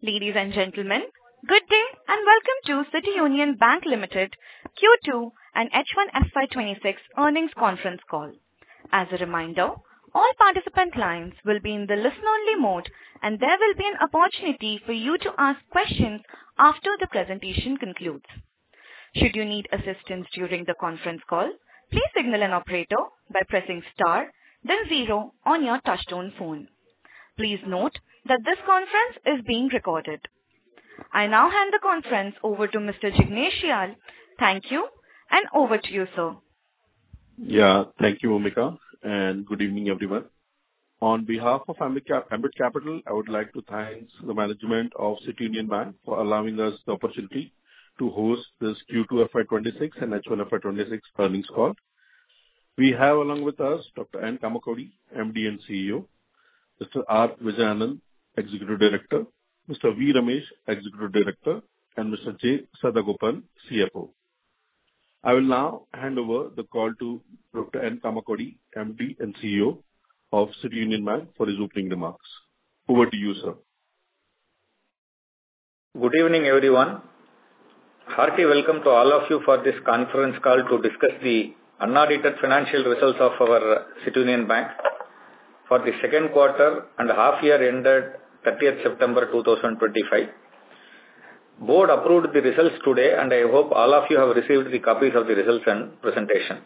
Ladies and gentlemen, good day and welcome to City Union Bank Limited Q2 and H1 FY2026 earnings conference call. As a reminder, all participant lines will be in the listen-only mode, and there will be an opportunity for you to ask questions after the presentation concludes. Should you need assistance during the conference call, please signal an operator by pressing star, then zero on your touch-tone phone. Please note that this conference is being recorded. I now hand the conference over to Mr. Jignesh Shial. Thank you, and over to you, sir. Yeah, thank you, Omika, and good evening, everyone. On behalf of Ambit Capital, I would like to thank the management of City Union Bank for allowing us the opportunity to host this Q2 FY2026 and H1 FY2026 earnings call. We have, along with us, Dr. N. Kamakodi, MD and CEO, Mr. R. Vijayanand, Executive Director, Mr. V. Ramesh, Executive Director, and Mr. J. Sadagopan, CFO. I will now hand over the call to Dr. N. Kamakodi, MD and CEO of City Union Bank, for his opening remarks. Over to you, sir. Good evening, everyone. Hearty welcome to all of you for this conference call to discuss the unaudited financial results of our City Union Bank for the second quarter and half-year ended 30th September 2025. Board approved the results today, and I hope all of you have received the copies of the results and presentation.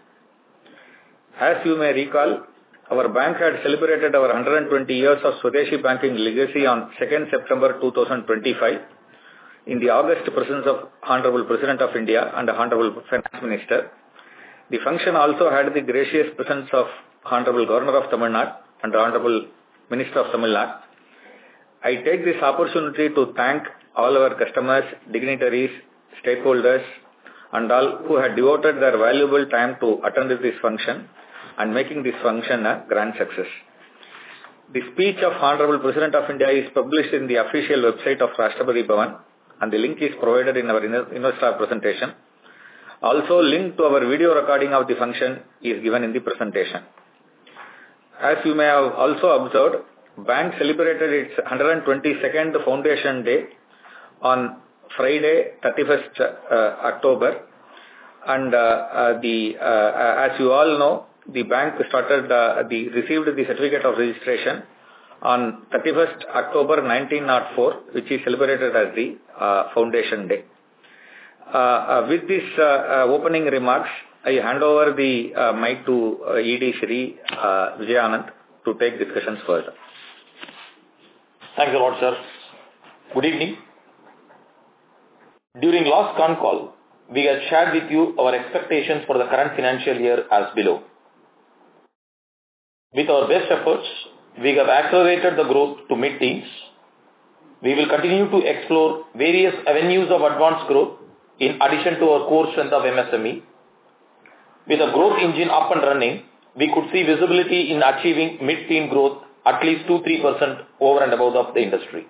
As you may recall, our bank had celebrated our 120 years of Swadeshi banking legacy on 2nd September 2025 in the august presence of Honorable President of India and Honorable Finance Minister. The function also had the gracious presence of Honorable Governor of Tamil Nadu and Honorable Minister of Tamil Nadu. I take this opportunity to thank all our customers, dignitaries, stakeholders, and all who had devoted their valuable time to attend this function and making this function a grand success. The speech of the Honorable President of India is published in the official website of Rashtrapati Bhavan, and the link is provided in our Investor presentation. Also, a link to our video recording of the function is given in the presentation. As you may have also observed, the bank celebrated its 122nd foundation day on Friday, 31st October. And as you all know, the bank received the certificate of registration on 31st October 1904, which is celebrated as the foundation day. With these opening remarks, I hand over the mic to ED Shri R. Vijayanand to take discussions further. Thanks a lot, sir. Good evening. During last con call, we have shared with you our expectations for the current financial year as below. With our best efforts, we have accelerated the growth to mid-teens. We will continue to explore various avenues of advanced growth in addition to our core strength of MSME. With the growth engine up and running, we could see visibility in achieving mid-teens growth at least 2%-3% over and above the industry.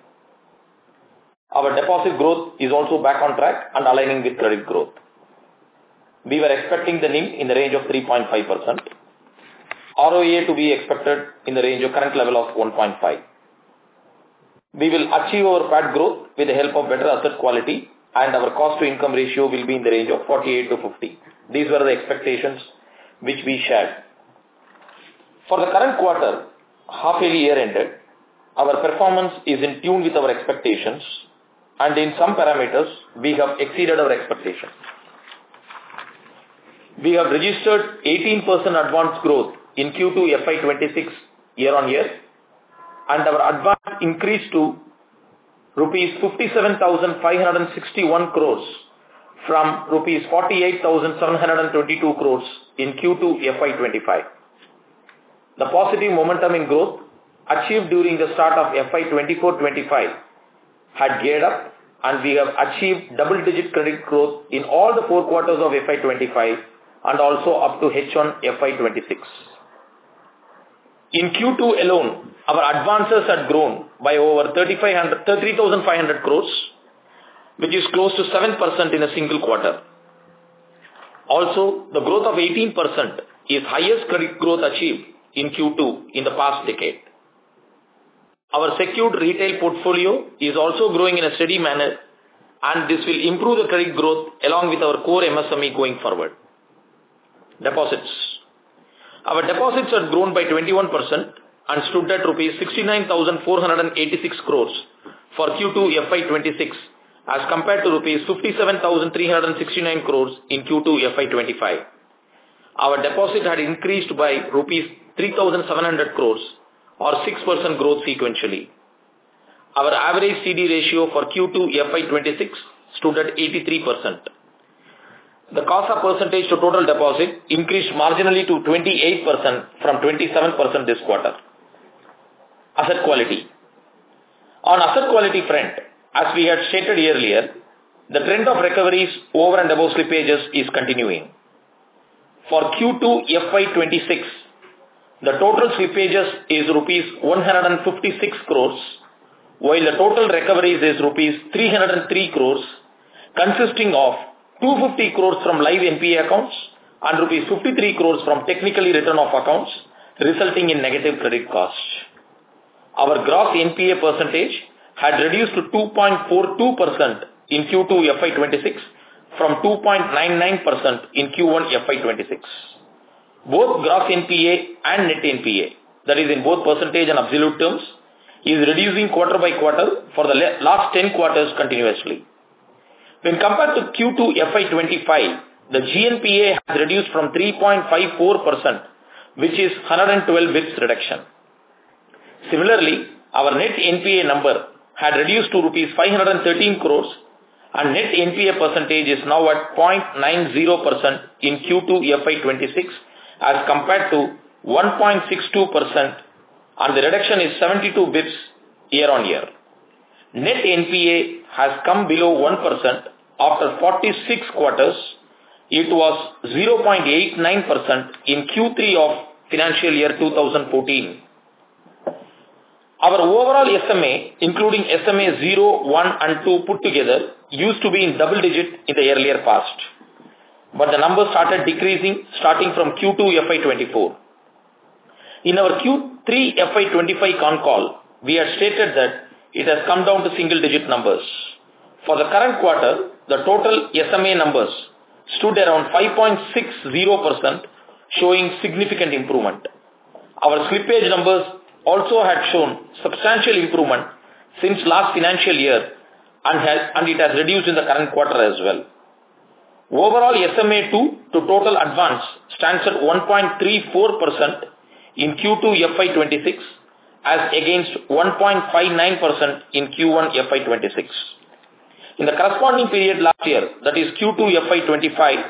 Our deposit growth is also back on track and aligning with credit growth. We were expecting the NIM in the range of 3.5%, ROE to be expected in the range of current level of 15%. We will achieve our PCR growth with the help of better asset quality, and our cost-to-income ratio will be in the range of 48%-50%. These were the expectations which we shared. For the current quarter, half-year ended, our performance is in tune with our expectations, and in some parameters, we have exceeded our expectations. We have registered 18% advance growth in Q2 FY2026 year-on-year, and our advance increased to rupees 57,561 crores from rupees 48,722 crores in Q2 FY2025. The positive momentum in growth achieved during the start of FY24-25 had geared up, and we have achieved double-digit credit growth in all the four quarters of FY2025 and also up to H1 FY2026. In Q2 alone, our advances had grown by over 33,500 crores, which is close to 7% in a single quarter. Also, the growth of 18% is the highest credit growth achieved in Q2 in the past decade. Our secured retail portfolio is also growing in a steady manner, and this will improve the credit growth along with our core MSME going forward. Deposits. Our deposits had grown by 21% and stood at rupees 69,486 crores for Q2 FY2026 as compared to rupees 57,369 crores in Q2 FY2025. Our deposit had increased by rupees 3,700 crores, or six% growth sequentially. Our average CD ratio for Q2 FY2026 stood at 83%. The low-cost percentage to total deposit increased marginally to 28% from 27% this quarter. Asset quality. On the asset quality front, as we had stated earlier, the trend of recoveries over and above slippages is continuing. For Q2 FY2026, the total slippages is rupees 156 crores, while the total recoveries is rupees 303 crores, consisting of 250 crores from live NPA accounts and rupees 53 crores from technical write-off accounts, resulting in negative credit costs. Our gross NPA percentage had reduced to 2.42% in Q2 FY2026 from 2.99% in Q1 FY2026. Both gross NPA and net NPA, that is, in both percentage and absolute terms, is reducing quarter by quarter for the last 10 quarters continuously. When compared to Q2 FY2025, the GNPA has reduced from 3.54%, which is 112 basis points reduction. Similarly, our net NPA number had reduced to rupees 513 crores, and net NPA percentage is now at 0.90% in Q2 FY2026 as compared to 1.62%, and the reduction is 72 basis points year-on-year. Net NPA has come below 1% after 46 quarters. It was 0.89% in Q3 of financial year 2014. Our overall SMA, including SMA 0, 1, and 2 put together, used to be in double digits in the earlier past, but the numbers started decreasing starting from Q2 FY24. In our Q3 FY2025 con call, we had stated that it has come down to single-digit numbers. For the current quarter, the total SMA numbers stood around 5.60%, showing significant improvement. Our slippage numbers also had shown substantial improvement since last financial year, and it has reduced in the current quarter as well. Overall, SMA 2 to total advance stands at 1.34% in Q2 FY2026, against 1.59% in Q1 FY2026. In the corresponding period last year, that is Q2 FY2025,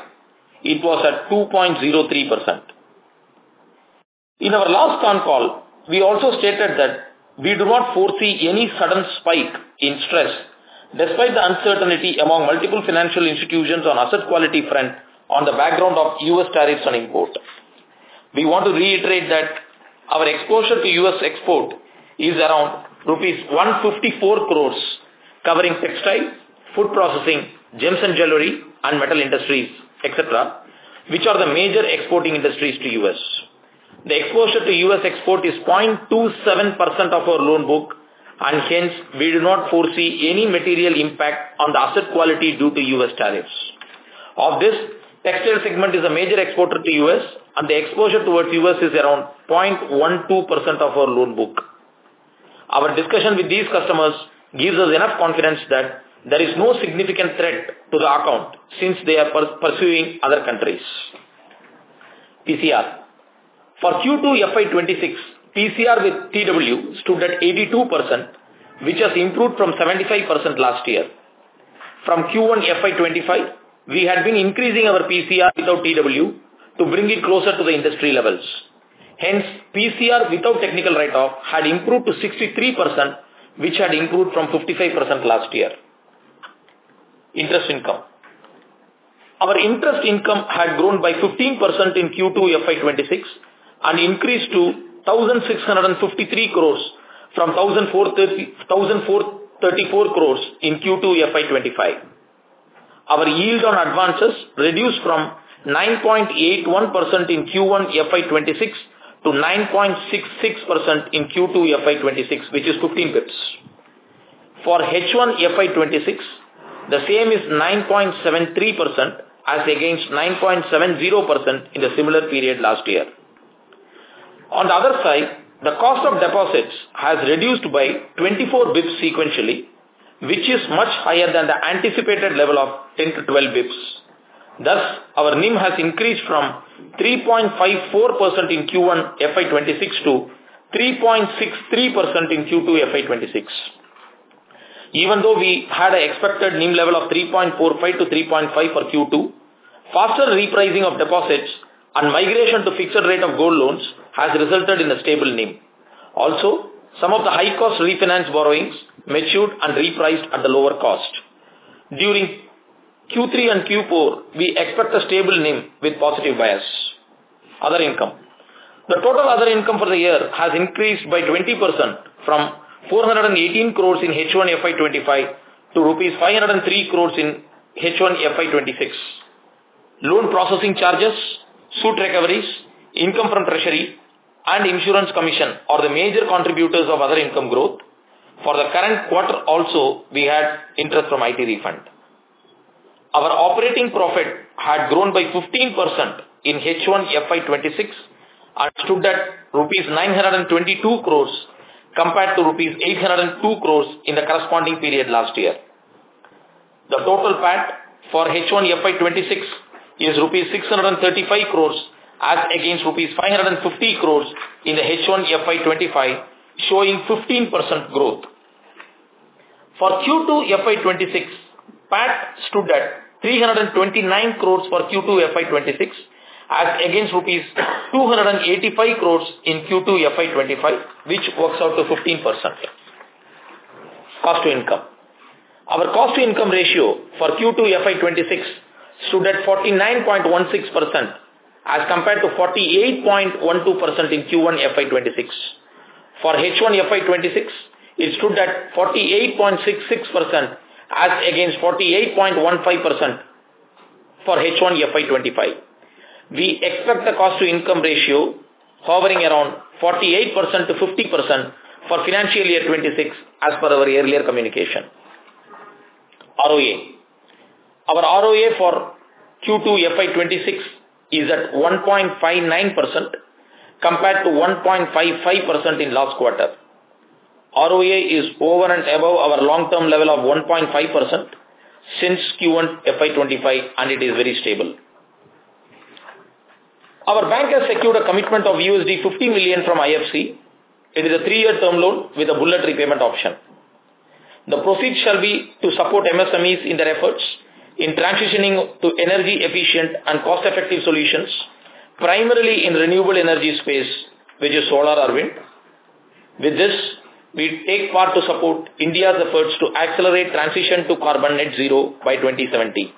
it was at 2.03%. In our last con call, we also stated that we do not foresee any sudden spike in stress despite the uncertainty among multiple financial institutions on the asset quality front on the background of U.S. tariffs on import. We want to reiterate that our exposure to US export is around Rs. 154 crores, covering textile, food processing, gems and jewelry, and metal industries, etc., which are the major exporting industries to U.S. The exposure to U.S. export is 0.27% of our loan book, and hence, we do not foresee any material impact on the asset quality due to U.S. tariffs. Of this, the textile segment is a major exporter to the U.S., and the exposure towards the U.S. is around 0.12% of our loan book. Our discussion with these customers gives us enough confidence that there is no significant threat to the account since they are pursuing other countries. PCR. For Q2 FY2026, PCR with TW stood at 82%, which has improved from 75% last year. From Q1 FY2025, we had been increasing our PCR without TW to bring it closer to the industry levels. Hence, PCR without technical write-off had improved to 63%, which had improved from 55% last year. Interest income. Our interest income had grown by 15% in Q2 FY2026 and increased to 1,653 crores from 1,434 crores in Q2 FY2025. Our yield on advances reduced from 9.81% in Q1 FY2026 to 9.66% in Q2 FY2026, which is 15 basis points. For H1 FY2026, the same is 9.73%, against 9.70% in the similar period last year. On the other side, the cost of deposits has reduced by 24 basis points sequentially, which is much higher than the anticipated level of 10 to 12 basis points. Thus, our NIM has increased from 3.54% in Q1 FY2026 to 3.63% in Q2 FY2026. Even though we had an expected NIM level of 3.45% to 3.5% for Q2, faster repricing of deposits and migration to fixed rate of gold loans has resulted in a stable NIM. Also, some of the high-cost refinance borrowings matured and repriced at the lower cost. During Q3 and Q4, we expect a stable NIM with positive bias. Other income. The total other income for the year has increased by 20% from 418 crores in H1 FY2025 to rupees 503 crores in H1 FY2026. Loan processing charges, suit recoveries, income from treasury, and insurance commission are the major contributors of other income growth. For the current quarter also, we had interest from IT refund. Our operating profit had grown by 15% in H1 FY2026 and stood at rupees 922 crores compared to rupees 802 crores in the corresponding period last year. The total PAT for H1 FY2026 is rupees 635 crores against rupees 550 crores in H1 FY2025, showing 15% growth. For Q2 FY2026, PAT stood at 329 crores for Q2 FY2026 against rupees 285 crores in Q2 FY2025, which works out to 15%. Cost-to-income. Our cost-to-income ratio for Q2 FY2026 stood at 49.16% as compared to 48.12% in Q1 FY2026. For H1 FY2026, it stood at 48.66% against 48.15% for H1 FY2025. We expect the cost-to-income ratio hovering around 48% to 50% for financial year 26 as per our earlier communication. ROA. Our ROA for Q2 FY2026 is at 1.59% compared to 1.55% in last quarter. ROA is over and above our long-term level of 1.5% since Q1 FY2025, and it is very stable. Our bank has secured a commitment of $50 million from IFC. It is a three-year term loan with a bullet repayment option. The proceeds shall be to support MSMEs in their efforts in transitioning to energy-efficient and cost-effective solutions, primarily in the renewable energy space, which is solar or wind. With this, we take part to support India's efforts to accelerate transition to carbon net zero by 2070.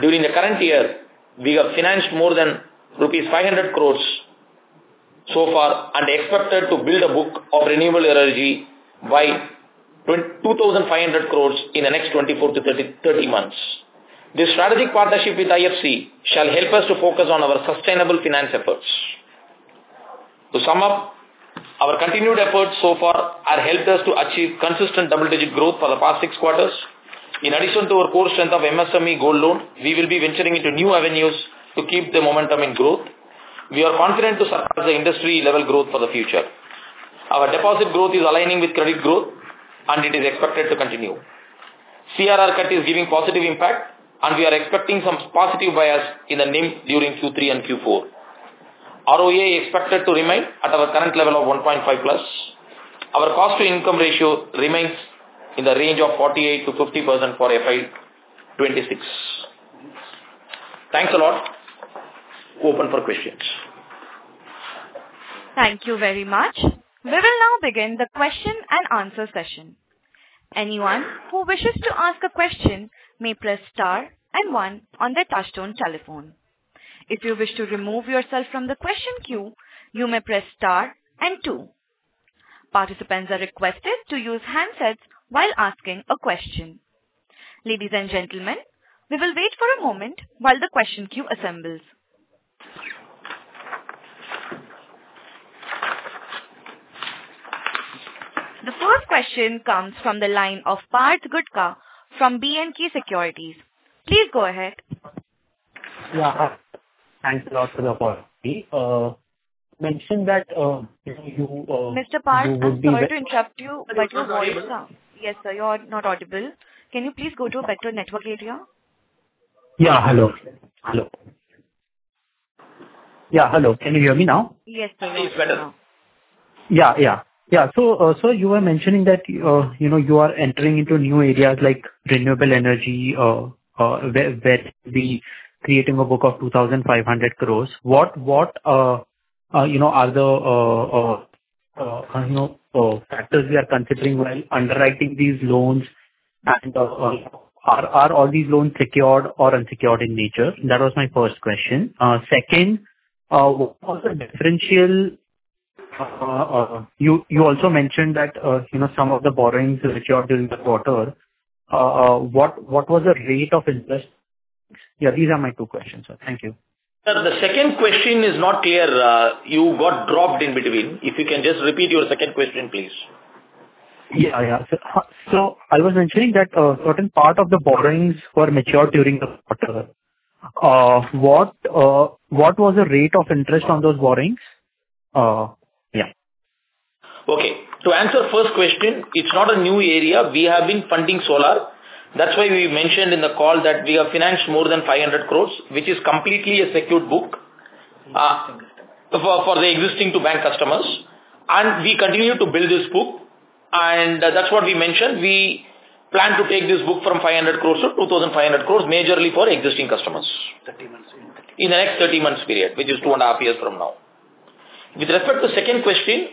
During the current year, we have financed more than Rs. 500 crores so far and expected to build a book of renewable energy by 2,500 crores in the next 24-30 months. This strategic partnership with IFC shall help us to focus on our sustainable finance efforts. To sum up, our continued efforts so far have helped us to achieve consistent double-digit growth for the past six quarters. In addition to our core strength of MSME gold loan, we will be venturing into new avenues to keep the momentum in growth. We are confident to surpass the industry-level growth for the future. Our deposit growth is aligning with credit growth, and it is expected to continue. CRR cut is giving positive impact, and we are expecting some positive bias in the NIM during Q3 and Q4. ROA is expected to remain at our current level of 1.5% plus. Our cost-to-income ratio remains in the range of 48%-50% for FY2026. Thanks a lot. Open for questions. Thank you very much. We will now begin the question and answer session. Anyone who wishes to ask a question may press star and one on their touchtone telephone. If you wish to remove yourself from the question queue, you may press star and two. Participants are requested to use handsets while asking a question. Ladies and gentlemen, we will wait for a moment while the question queue assembles. The first question comes from the line of Parth Gutka from B&K Securities. Please go ahead. Yeah. Thanks a lot for the call. Mention that you would be able to. Mr. Parth, I'm sorry to interrupt you, but your voice is not. Yes, sir. You are not audible. Can you please go to a better network area? Yeah. Hello. Hello. Yeah. Hello. Can you hear me now? Yes, sir. It's better now. Yeah. Yeah. Yeah. So you were mentioning that you are entering into new areas like renewable energy, where we are creating a book of 2,500 crores. What are the factors we are considering while underwriting these loans? And are all these loans secured or unsecured in nature? That was my first question. Second, what was the differential? You also mentioned that some of the borrowings are matured during the quarter. What was the rate of interest? Yeah. These are my two questions, sir. Thank you. The second question is not clear. You got dropped in between. If you can just repeat your second question, please. Yeah. Yeah. So I was mentioning that a certain part of the borrowings were matured during the quarter. What was the rate of interest on those borrowings? Yeah. Okay. To answer the first question, it's not a new area. We have been funding solar. That's why we mentioned in the call that we have financed more than 500 crores, which is completely a secured book for the existing bank customers. And we continue to build this book. And that's what we mentioned. We plan to take this book from 500 crores to 2,500 crores, majorly for existing customers in the next 30 months' period, which is two and a half years from now. With respect to the second question,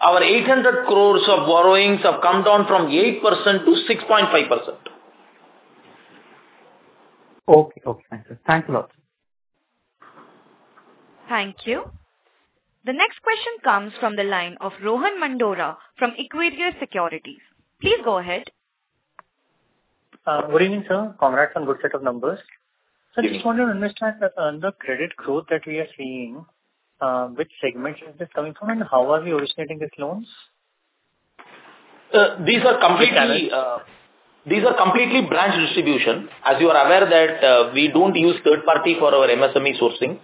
our 800 crores of borrowings have come down from 8% to 6.5%. Okay. Okay. Thanks. Thanks a lot. Thank you. The next question comes from the line of Rohan Mandora from Equirus Securities. Please go ahead. Good evening, sir. Rohan from Equirus Securities. Sir, I just want to understand the credit growth that we are seeing. Which segment is this coming from, and how are we originating these loans? These are completely branch distribution. As you are aware, we don't use third party for our MSME sourcing.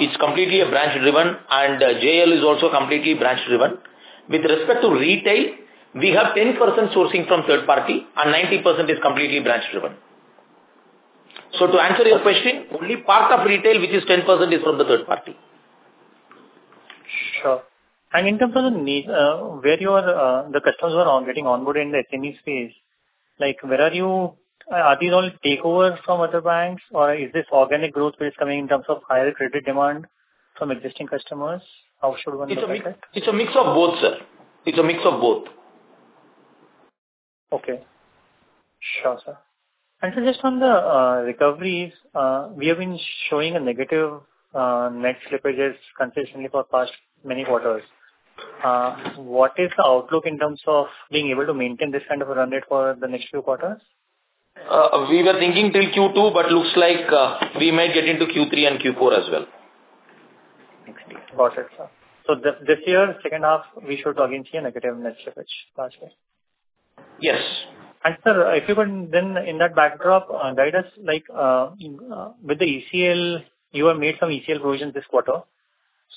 It's completely branch-driven, and JL is also completely branch-driven. With respect to retail, we have 10% sourcing from third party, and 90% is completely branch-driven. So to answer your question, only part of retail, which is 10%, is from the third party. Sure. And in terms of where the customers are getting onboarded in the SME space, where are you? Are these all takeovers from other banks, or is this organic growth which is coming in terms of higher credit demand from existing customers? How should one look at it? It's a mix of both, sir. It's a mix of both. Okay. Sure, sir. And just on the recoveries, we have been showing a negative net slippage consistently for the past many quarters. What is the outlook in terms of being able to maintain this kind of a run rate for the next few quarters? We were thinking till Q2, but it looks like we may get into Q3 and Q4 as well. Got it, sir. So this year, second half, we should again see a negative net slippage last year. Yes. And sir, if you can, then in that backdrop, guide us. With the ECL, you have made some ECL provisions this quarter.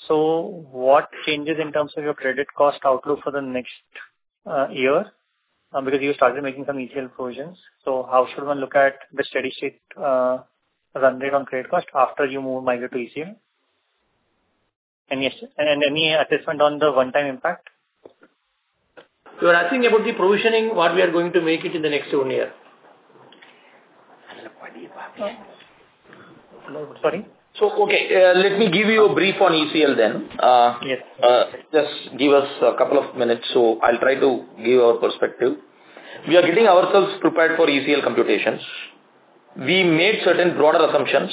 So what changes in terms of your credit cost outlook for the next year? Because you started making some ECL provisions. So how should one look at the steady-state run rate on credit cost after you migrate to ECL? And any assessment on the one-time impact? We are asking about the provisioning what we are going to make it in the next one year. Sorry? So okay. Let me give you a brief on ECL then. Just give us a couple of minutes, so I'll try to give you our perspective. We are getting ourselves prepared for ECL computations. We made certain broader assumptions,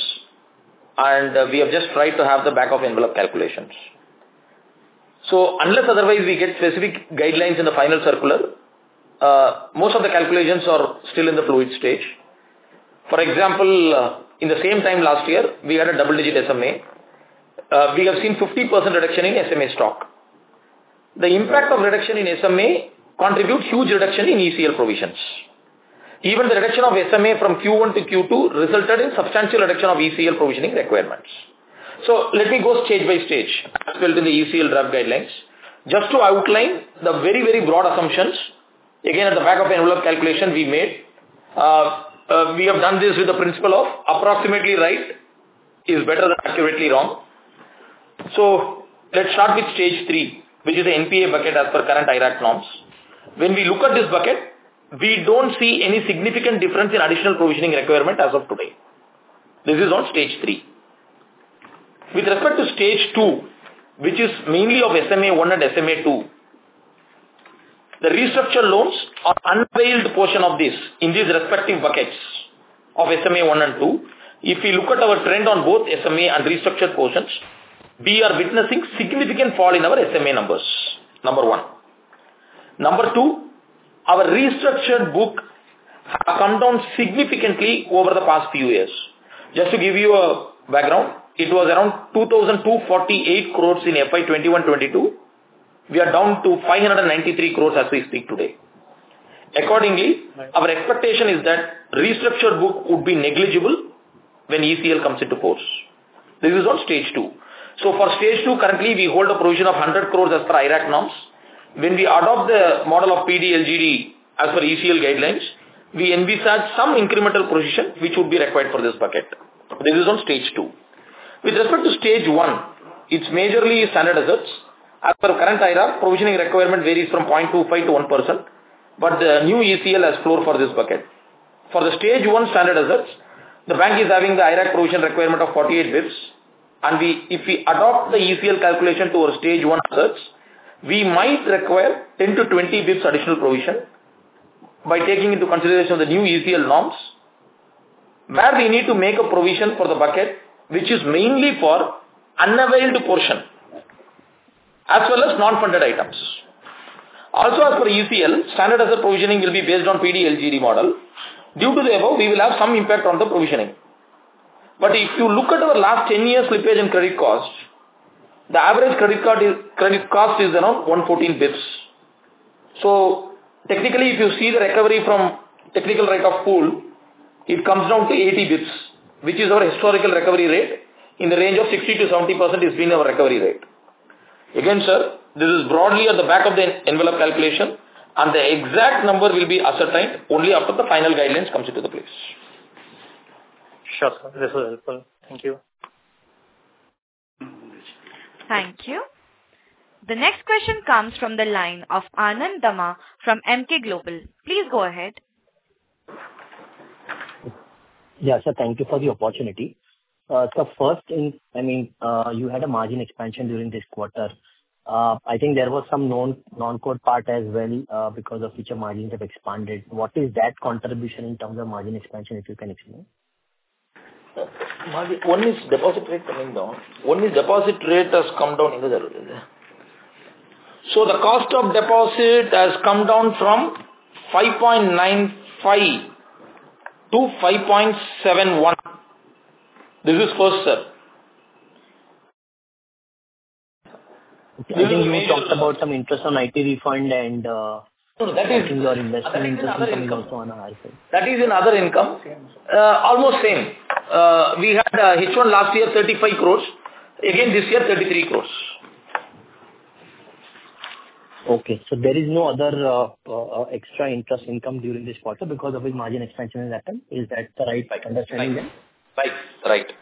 and we have just tried to have the back-of-envelope calculations. So unless otherwise we get specific guidelines in the final circular, most of the calculations are still in the fluid stage. For example, in the same time last year, we had a double-digit SMA. We have seen 50% reduction in SMA stock. The impact of reduction in SMA contributes to a huge reduction in ECL provisions. Even the reduction of SMA from Q1 to Q2 resulted in substantial reduction of ECL provisioning requirements. So let me go stage by stage as built in the ECL draft guidelines, just to outline the very, very broad assumptions. Again, at the back-of-the-envelope calculation we made, we have done this with the principle of approximately right is better than accurately wrong. So let's start with stage three, which is the NPA bucket as per current IRAC norms. When we look at this bucket, we don't see any significant difference in additional provisioning requirement as of today. This is on stage three. With respect to stage two, which is mainly of SMA one and SMA two, the restructured loans are a small portion of this in these respective buckets of SMA one and two. If we look at our trend on both SMA and restructured portions, we are witnessing a significant fall in our SMA numbers. Number one. Number two, our restructured book has come down significantly over the past few years. Just to give you a background, it was around 2,248 crores in FY 2021-22. We are down to 593 crores as we speak today. Accordingly, our expectation is that the restructured book would be negligible when ECL comes into force. This is on stage two. So for stage two, currently, we hold a provision of 100 crores as per IRAC norms. When we adopt the model of PD/LGD as per ECL guidelines, we envisage some incremental provision which would be required for this bucket. This is on stage two. With respect to stage one, it's majorly standard assets. As per current IRAC, provisioning requirement varies from 0.25%-1%, but the new ECL has floor for this bucket. For the stage one standard assets, the bank is having the IRAC provision requirement of 48 basis points. If we adopt the ECL calculation to our stage one assets, we might require 10-20 basis points additional provision by taking into consideration the new ECL norms. Where we need to make a provision for the bucket, which is mainly for the unavailable portion, as well as non-funded items. Also, as per ECL, standard asset provisioning will be based on the PD/LGD model. Due to the above, we will have some impact on the provisioning. But if you look at our last 10 years' slippage in credit cost, the average credit cost is around 114 basis points. So technically, if you see the recovery from the technical write-off pool, it comes down to 80 basis points, which is our historical recovery rate. In the range of 60%-70% is being our recovery rate. Again, sir, this is broadly at the back of the envelope calculation, and the exact number will be ascertained only after the final guidelines come into place. Sure, sir. This was helpful. Thank you. Thank you. The next question comes from the line of Anand Dama from Emkay Global. Please go ahead. Yeah, sir. Thank you for the opportunity. So first, I mean, you had a margin expansion during this quarter. I think there was some non-core part as well because of future margins have expanded. What is that contribution in terms of margin expansion, if you can explain? Only deposit rate coming down. Only deposit rate has come down in the... So the cost of deposit has come down from 5.95-5.71. This is first, sir. You talked about some interest on IT refund and... That is in your investment income as well. That is in other income. Almost same. We had H1 last year, 35 crores. Again, this year, 33 crores. Okay. So there is no other extra interest income during this quarter because of this margin expansion that happened. Is that right? I can understand you then. Right. Right.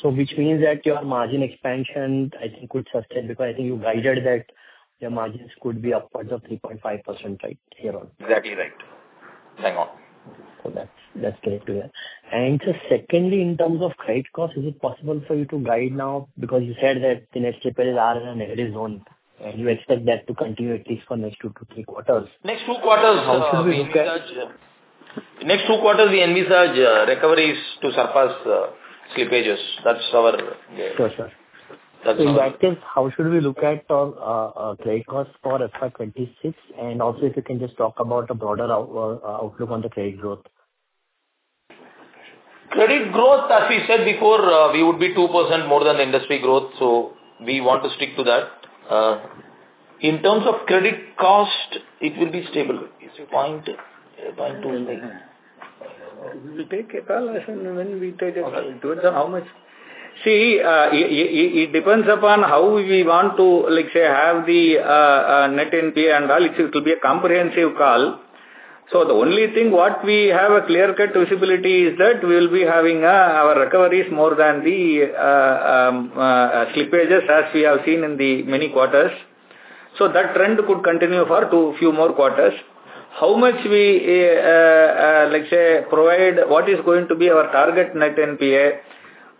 So which means that your margin expansion, I think, could sustain because I think you guided that your margins could be upwards of 3.5%, right? Here on. Exactly right. Hang on. So that's great to hear. And secondly, in terms of credit cost, is it possible for you to guide now because you said that the next slippages are in a negative zone, and you expect that to continue at least for the next two to three quarters? Next two quarters. Next two quarters, we envisage recoveries to surpass slippages. That's our... Sure, sir. In that case, how should we look at credit cost for FY2026? Also, if you can just talk about a broader outlook on the credit growth. Credit growth, as we said before, we would be 2% more than the industry growth, so we want to stick to that. In terms of credit cost, it will be stable. Is it 0.26? We pay ECL, and then we take it. How much? See, it depends upon how we want to, let's say, have the net NPA and all. It will be a comprehensive call. The only thing what we have a clear-cut visibility is that we will be having our recoveries more than the slippages as we have seen in the many quarters. That trend could continue for a few more quarters. How much we, let's say, provide, what is going to be our target net NPA,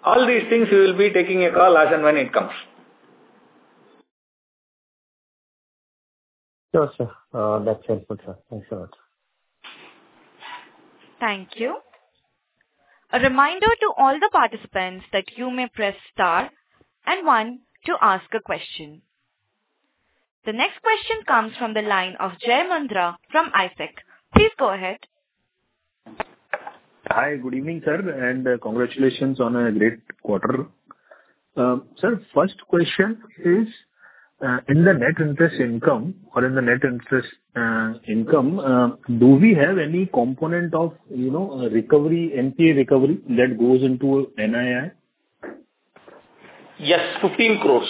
all these things, we will be taking a call as and when it comes. Sure, sir. That's helpful, sir. Thanks a lot. Thank you. A reminder to all the participants that you may press star and one to ask a question. The next question comes from the line of Jai Mundhra from ISEC. Please go ahead. Hi, good evening, sir, and congratulations on a great quarter. Sir, first question is, in the net interest income or in the net interest income, do we have any component of recovery, NPA recovery that goes into NII? Yes, 15 crores.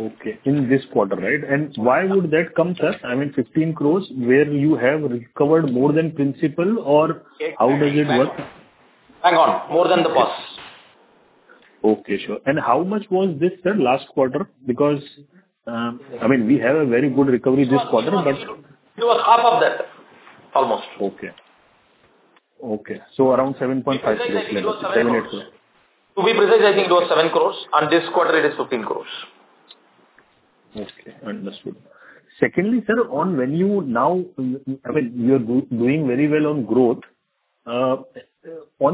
Okay. In this quarter, right? And why would that come, sir? I mean, 15 crores where you have recovered more than principal or how does it work? Hang on. More than the POS. Okay. Sure. And how much was this, sir, last quarter? Because, I mean, we have a very good recovery this quarter, but... It was half of that Almost. Okay. Okay. So around 7.5 crores. 78 crores. To be precise, I think it was 7 crores, and this quarter it is 15 crores. Okay. Understood. Secondly, sir, when you now, I mean, you are doing very well on growth. On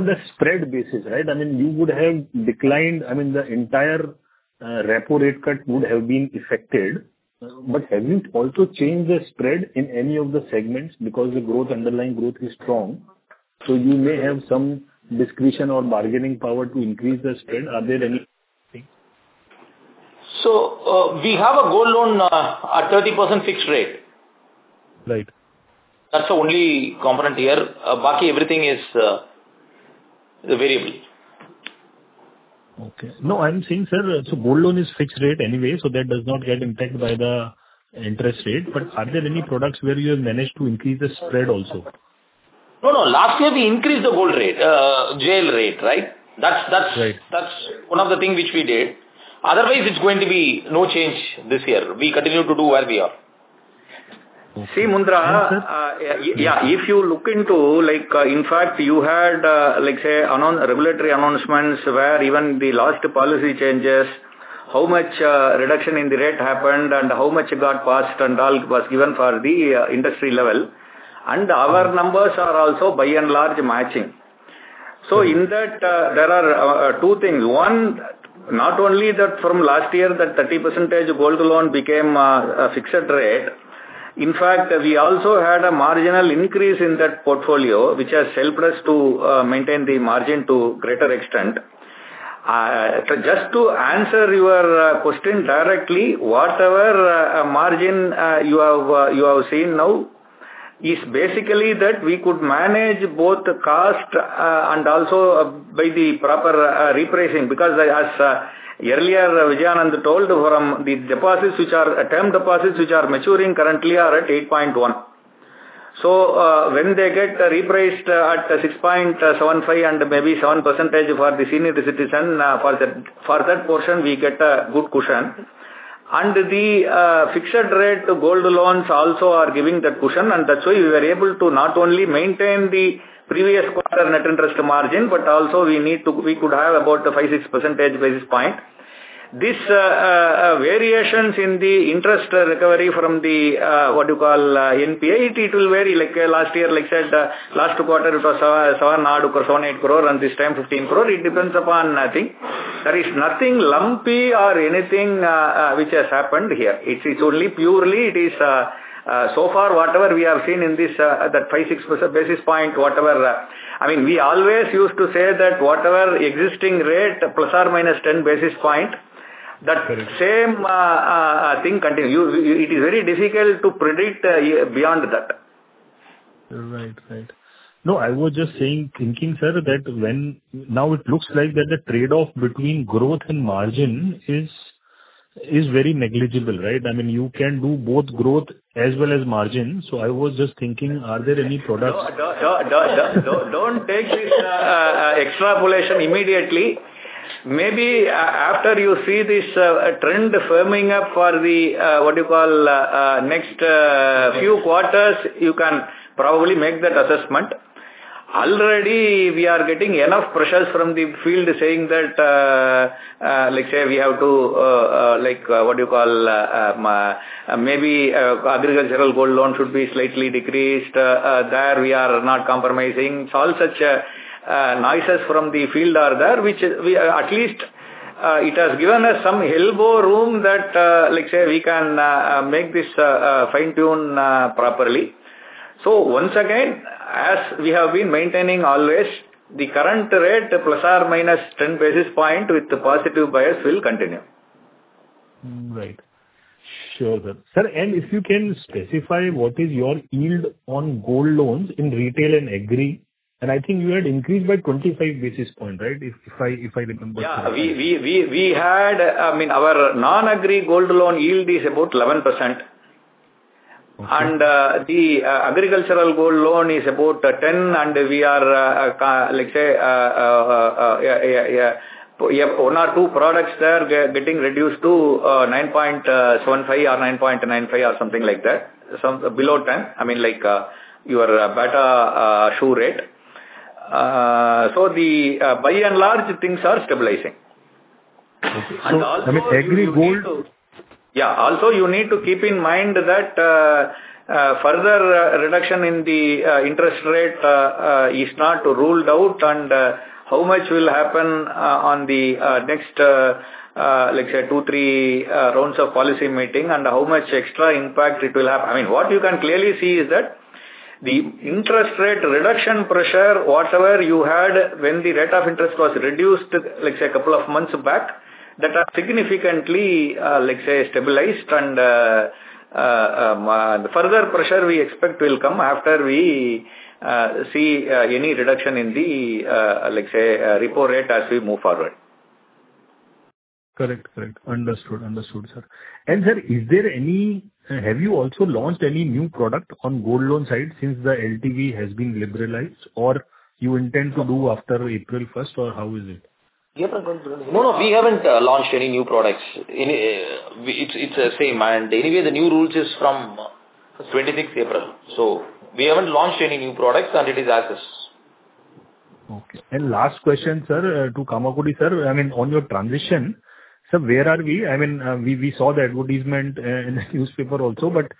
the spread basis, right, I mean, you would have declined, I mean, the entire repo rate cut would have been affected, but have you also changed the spread in any of the segments because the underlying growth is strong? So you may have some discretion or bargaining power to increase the spread. Are there any? So we have a gold loan at 30% fixed rate. Right. That's the only component here. The rest is variable. Okay. No, no. Last year, we increased the gold rate, JL rate, right? That's one of the things which we did. Otherwise, it's going to be no change this year. We continue to do where we are. See, Mundhra, if you look into, in fact, you had, let's say, regulatory announcements where even the last policy changes, how much reduction in the rate happened and how much got passed and all was given for the industry level, and our numbers are also by and large matching, so in that, there are two things. One, not only that from last year, that 30% gold loan became a fixed rate. In fact, we also had a marginal increase in that portfolio, which has helped us to maintain the margin to a greater extent. Just to answer your question directly, whatever margin you have seen now is basically that we could manage both cost and also by the proper repricing because, as earlier Vijayanand told, the deposits, which are term deposits, which are maturing, currently are at 8.1. So when they get repriced at 6.75 and maybe 7% for the senior citizen, for that portion, we get a good cushion. And the fixed-rate gold loans also are giving that cushion, and that's why we were able to not only maintain the previous quarter net interest margin, but also we could have about 5-6 basis points. These variations in the interest recovery from the what you call NPA, it will vary. Last year, like I said, last quarter, it was 7.78 crores and this time 15 crores. It depends upon nothing. There is nothing lumpy or anything which has happened here. It's only purely, it is so far whatever we have seen in this 5-6 basis points, whatever. I mean, we always used to say that whatever existing rate, plus or minus 10 basis points, that same thing continues. It is very difficult to predict beyond that. Right, right. No, I was just thinking, sir, that now it looks like that the trade-off between growth and margin is very negligible, right? I mean, you can do both growth as well as margin. So I was just thinking, are there any products? Don't take this extrapolation immediately. Maybe after you see this trend firming up for the, what you call, next few quarters, you can probably make that assessment. Already, we are getting enough pressures from the field saying that, let's say, we have to, what you call, maybe agricultural gold loan should be slightly decreased. There we are not compromising. All such noises from the field are there, which at least it has given us some elbow room that, let's say, we can make this fine-tune properly. So once again, as we have been maintaining always, the current rate, plus or minus 10 basis points with the positive bias, will continue. Right. Sure, sir. Sir, and if you can specify what is your yield on gold loans in retail and agri, and I think you had increased by 25 basis points, right? If I remember correctly. Yeah. We had, I mean, our non-agri gold loan yield is about 11%. And the agricultural gold loan is about 10%, and we are, let's say, one or two products there getting reduced to 9.75% or 9.95% or something like that, below 10%. I mean, your base rate. So by and large, things are stabilizing. And also, I mean, agri gold. Yeah. Also, you need to keep in mind that further reduction in the interest rate is not ruled out, and how much will happen on the next, let's say, two, three rounds of policy meeting, and how much extra impact it will have. I mean, what you can clearly see is that the interest rate reduction pressure, whatever you had when the rate of interest was reduced, let's say, a couple of months back, that has significantly, let's say, stabilized, and further pressure we expect will come after we see any reduction in the, let's say, repo rate as we move forward. Correct. Correct. Understood. Understood, sir. And sir, is there any have you also launched any new product on gold loan side since the LTV has been liberalized, or you intend to do after April 1st, or how is it? Yeah, but no, no. We haven't launched any new products. It's the same. And anyway, the new rules is from 26th April. So we haven't launched any new products, and it is as is. Okay. And last question, sir, to Kamakodi, sir. I mean, on your transition, sir, where are we? I mean, we saw the advertisement in the newspaper also, but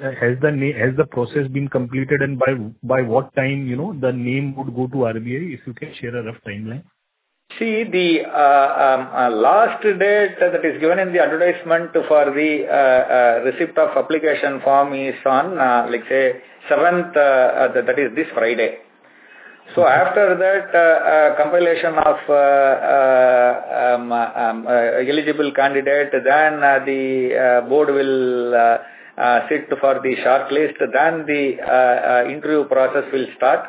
has the process been completed, and by what time the name would go to RBI? If you can share a rough timeline. See, the last date that is given in the advertisement for the receipt of application form is on, let's say, 7th, that is this Friday. So after that, compilation of eligible candidate, then the board will sit for the shortlist, then the interview process will start.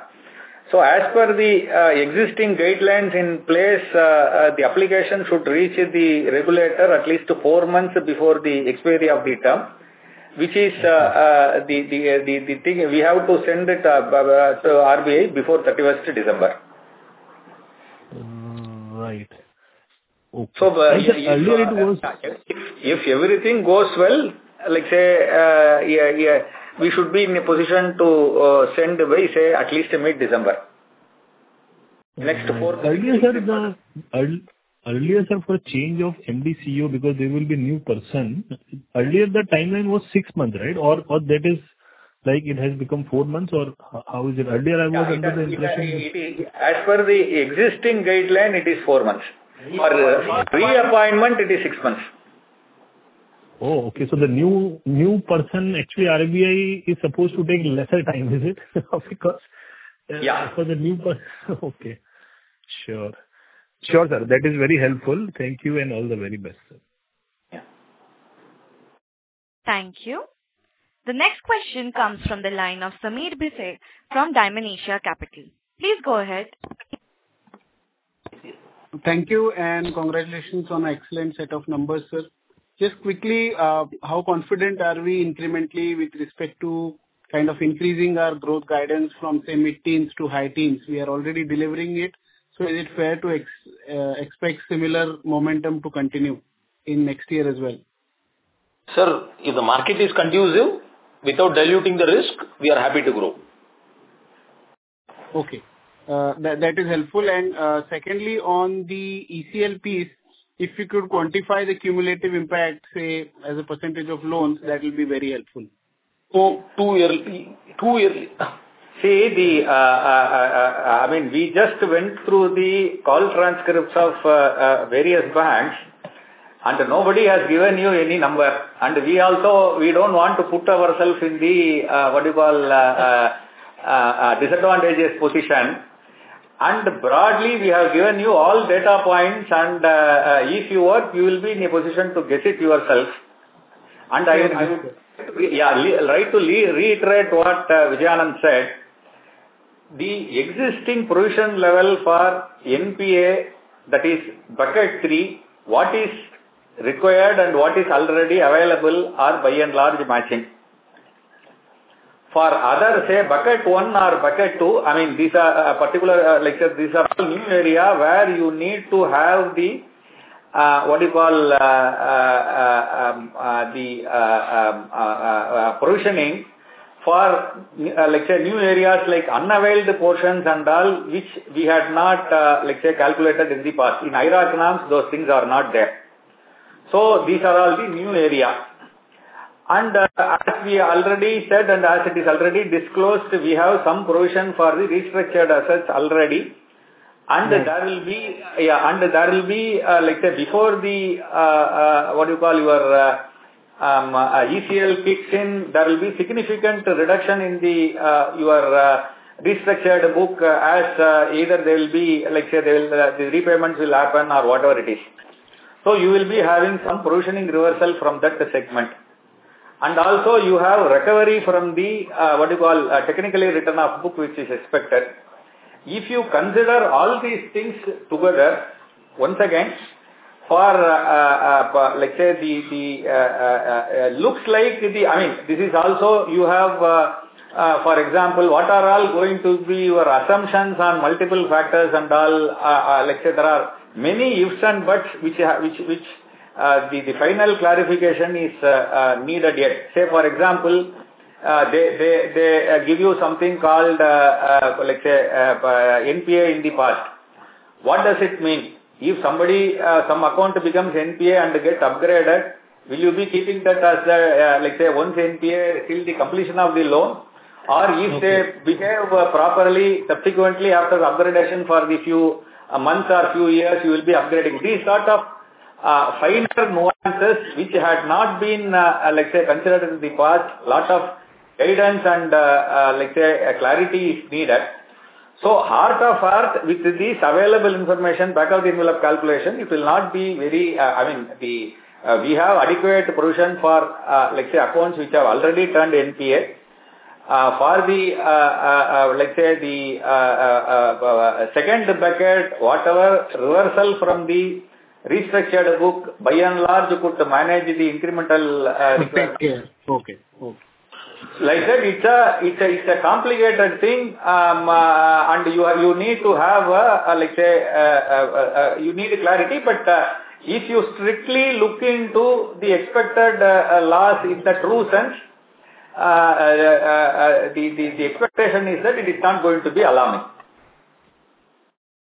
As per the existing guidelines in place, the application should reach the regulator at least four months before the expiry of the term, which is the thing we have to send it to RBI before 31st December. Right. Okay. So earlier it was. If everything goes well, let's say, we should be in a position to send away, say, at least mid-December. Next four months. Earlier, sir, for change of MD CEO, because there will be a new person, earlier the timeline was six months, right? Or that is like it has become four months, or how is it? Earlier, I was under the impression. As per the existing guideline, it is four months. For reappointment, it is six months. Oh, okay. So the new person, actually, RBI is supposed to take lesser time, is it? Because for the new person. Okay. Sure. Sure, sir. That is very helpful. Thank you, and all the very best, sir. Yeah. Thank you. The next question comes from the line of Sameer Bhise from JM Financial. Please go ahead. Thank you, and congratulations on an excellent set of numbers, sir. Just quickly, how confident are we incrementally with respect to kind of increasing our growth guidance from semi-teens to high-teens? We are already delivering it. So is it fair to expect similar momentum to continue in next year as well? Sir, if the market is conducive, without diluting the risk, we are happy to grow. Okay. That is helpful. And secondly, on the ECL piece, if you could quantify the cumulative impact, say, as a percentage of loans, that will be very helpful. Two years. See, I mean, we just went through the call transcripts of various banks, and nobody has given you any number. We also don't want to put ourselves in the what you call disadvantageous position. Broadly, we have given you all data points, and if you work, you will be in a position to get it yourself. I would like to reiterate what Vijayanand said. The existing provision level for NPA, that is bucket three, what is required and what is already available are by and large matching. For others, say, bucket one or bucket two, I mean, these are particular. Let's say, these are all new area where you need to have the what you call the provisioning for, let's say, new areas like unavailed portions and all, which we had not, let's say, calculated in the past. In IRAC, those things are not there. So these are all the new area. As we already said, and as it is already disclosed, we have some provision for the restructured assets already. There will be, yeah, let's say, before the what you call your ECL kicks in, there will be significant reduction in your restructured book as either there will be, let's say, the repayments will happen or whatever it is. So you will be having some provisioning reversal from that segment. Also, you have recovery from the what you call technical write-off book, which is expected. If you consider all these things together, once again, for, let's say, the looks like the, I mean, this is also, you have, for example, what are all going to be your assumptions on multiple factors and all, let's say, there are many ifs and buts, which the final clarification is needed yet. Say, for example, they give you something called, let's say, NPA in the past. What does it mean? If some account becomes NPA and gets upgraded, will you be keeping that as, let's say, once NPA till the completion of the loan? Or if they behave properly, subsequently after upgradation for the few months or few years, you will be upgrading. These sort of finer nuances, which had not been, let's say, considered in the past, a lot of guidance and, let's say, clarity is needed. So heart of heart, with this available information, back of the envelope calculation, it will not be very, I mean, we have adequate provision for, let's say, accounts which have already turned NPA. For the, let's say, the second bucket, whatever. Reversal from the restructured book, by and large, could manage the incremental requirements. Okay. Okay. Like that, it's a complicated thing, and you need to have, let's say, you need clarity. But if you strictly look into the expected loss in the true sense, the expectation is that it is not going to be alarming.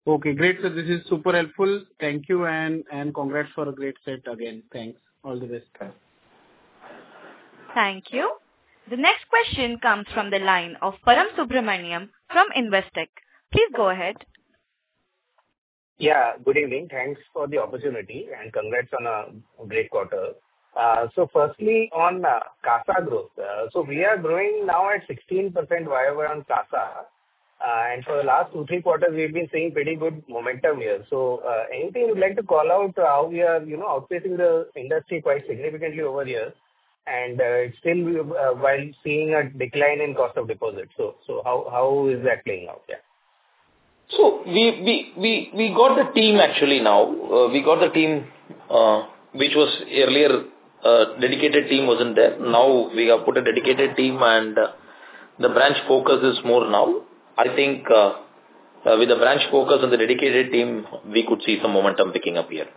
Okay. Great. So this is super helpful. Thank you, and congrats for a great set again. Thanks. All the best. Thank you. The next question comes from the line of Param Subramanian from Investec. Please go ahead. Yeah. Good evening. Thanks for the opportunity, and congrats on a great quarter. So firstly, on CASA growth, so we are growing now at 16% wherever on CASA. And for the last two, three quarters, we've been seeing pretty good momentum here. So anything you'd like to call out? How we are outpacing the industry quite significantly over here, and it's still while seeing a decline in cost of deposits. So how is that playing out? Yeah. So we got the team actually now. We got the team, which was earlier dedicated team wasn't there. Now we have put a dedicated team, and the branch focus is more now. I think with the branch focus and the dedicated team, we could see some momentum picking up here.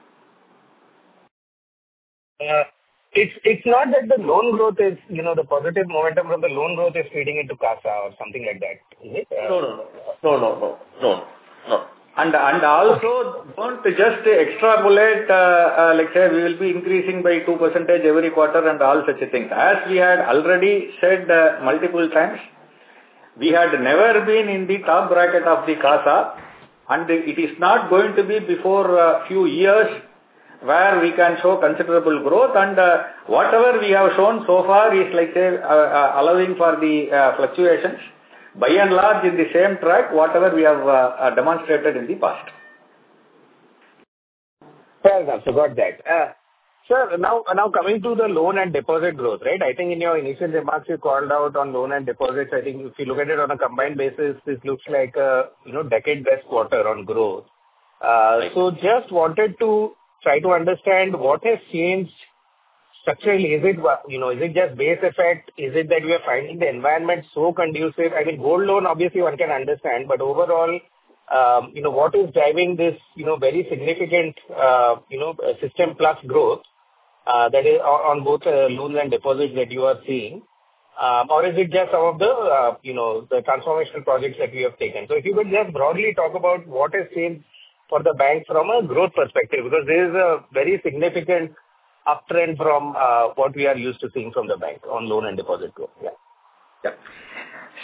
It's not that the loan growth is the positive momentum from the loan growth is feeding into CASA or something like that. No, no, no. No, no, no. No, no. And also, don't just extrapolate, let's say, we will be increasing by 2% every quarter and all such things. As we had already said multiple times, we had never been in the top bracket of the CASA, and it is not going to be before a few years where we can show considerable growth. Whatever we have shown so far is, let's say, allowing for the fluctuations, by and large, in the same track, whatever we have demonstrated in the past. Well, I forgot that. Sir, now coming to the loan and deposit growth, right? I think in your initial remarks, you called out on loan and deposits. I think if you look at it on a combined basis, this looks like a decade-plus quarter on growth. So just wanted to try to understand what has changed structurally. Is it just base effect? Is it that we are finding the environment so conducive? I mean, gold loan, obviously, one can understand, but overall, what is driving this very significant system-plus growth that is on both loans and deposits that you are seeing? Or is it just some of the transformational projects that we have taken? So if you could just broadly talk about what has changed for the bank from a growth perspective, because there is a very significant uptrend from what we are used to seeing from the bank on loan and deposit growth. Yeah. Yeah.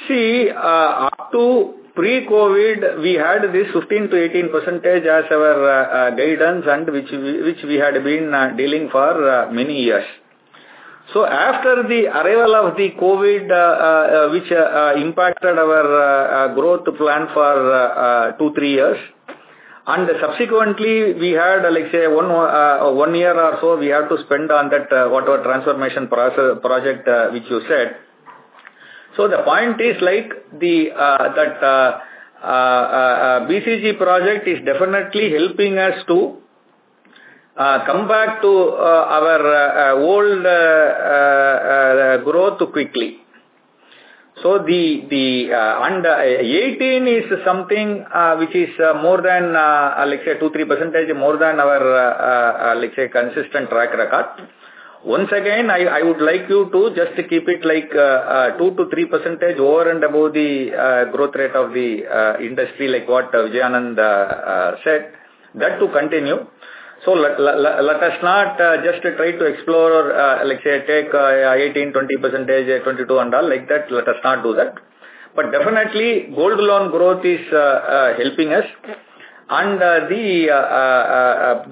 See, up to pre-COVID, we had this 15%-18% as our guidance, which we had been dealing for many years. So after the arrival of the COVID, which impacted our growth plan for two, three years, and subsequently, we had, let's say, one year or so, we had to spend on that whatever transformation project which you said. So the point is that BCG project is definitely helping us to come back to our old growth quickly. So the 18 is something which is more than, let's say, 2-3% more than our, let's say, consistent track record. Once again, I would like you to just keep it like 2%-3% over and above the growth rate of the industry, like what Vijayanand said, that to continue. So let us not just try to explore, let's say, take 18%, 20%, 22%, and all like that. Let us not do that. But definitely, gold loan growth is helping us. And the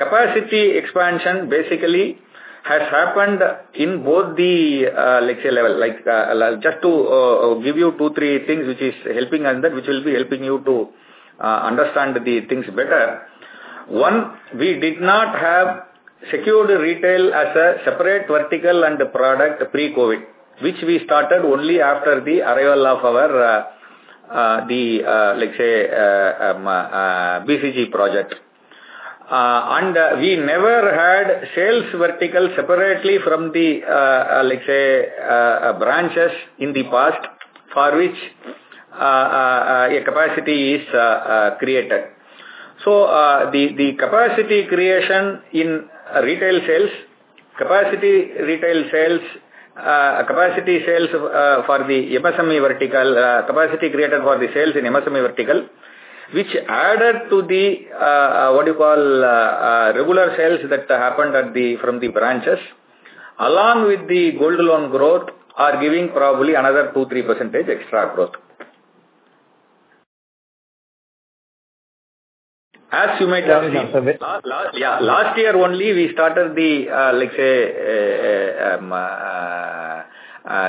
capacity expansion basically has happened in both the, let's say, level. Just to give you two, three things which is helping on that, which will be helping you to understand the things better. One, we did not have secured retail as a separate vertical and product pre-COVID, which we started only after the arrival of our, let's say, BCG project. And we never had sales vertical separately from the, let's say, branches in the past for which a capacity is created. The capacity creation in retail sales, capacity retail sales, capacity sales for the MSME vertical, capacity created for the sales in MSME vertical, which added to the what you call regular sales that happened from the branches, along with the gold loan growth, are giving probably another 2-3% extra growth. As you might have seen, last year only, we started the, let's say,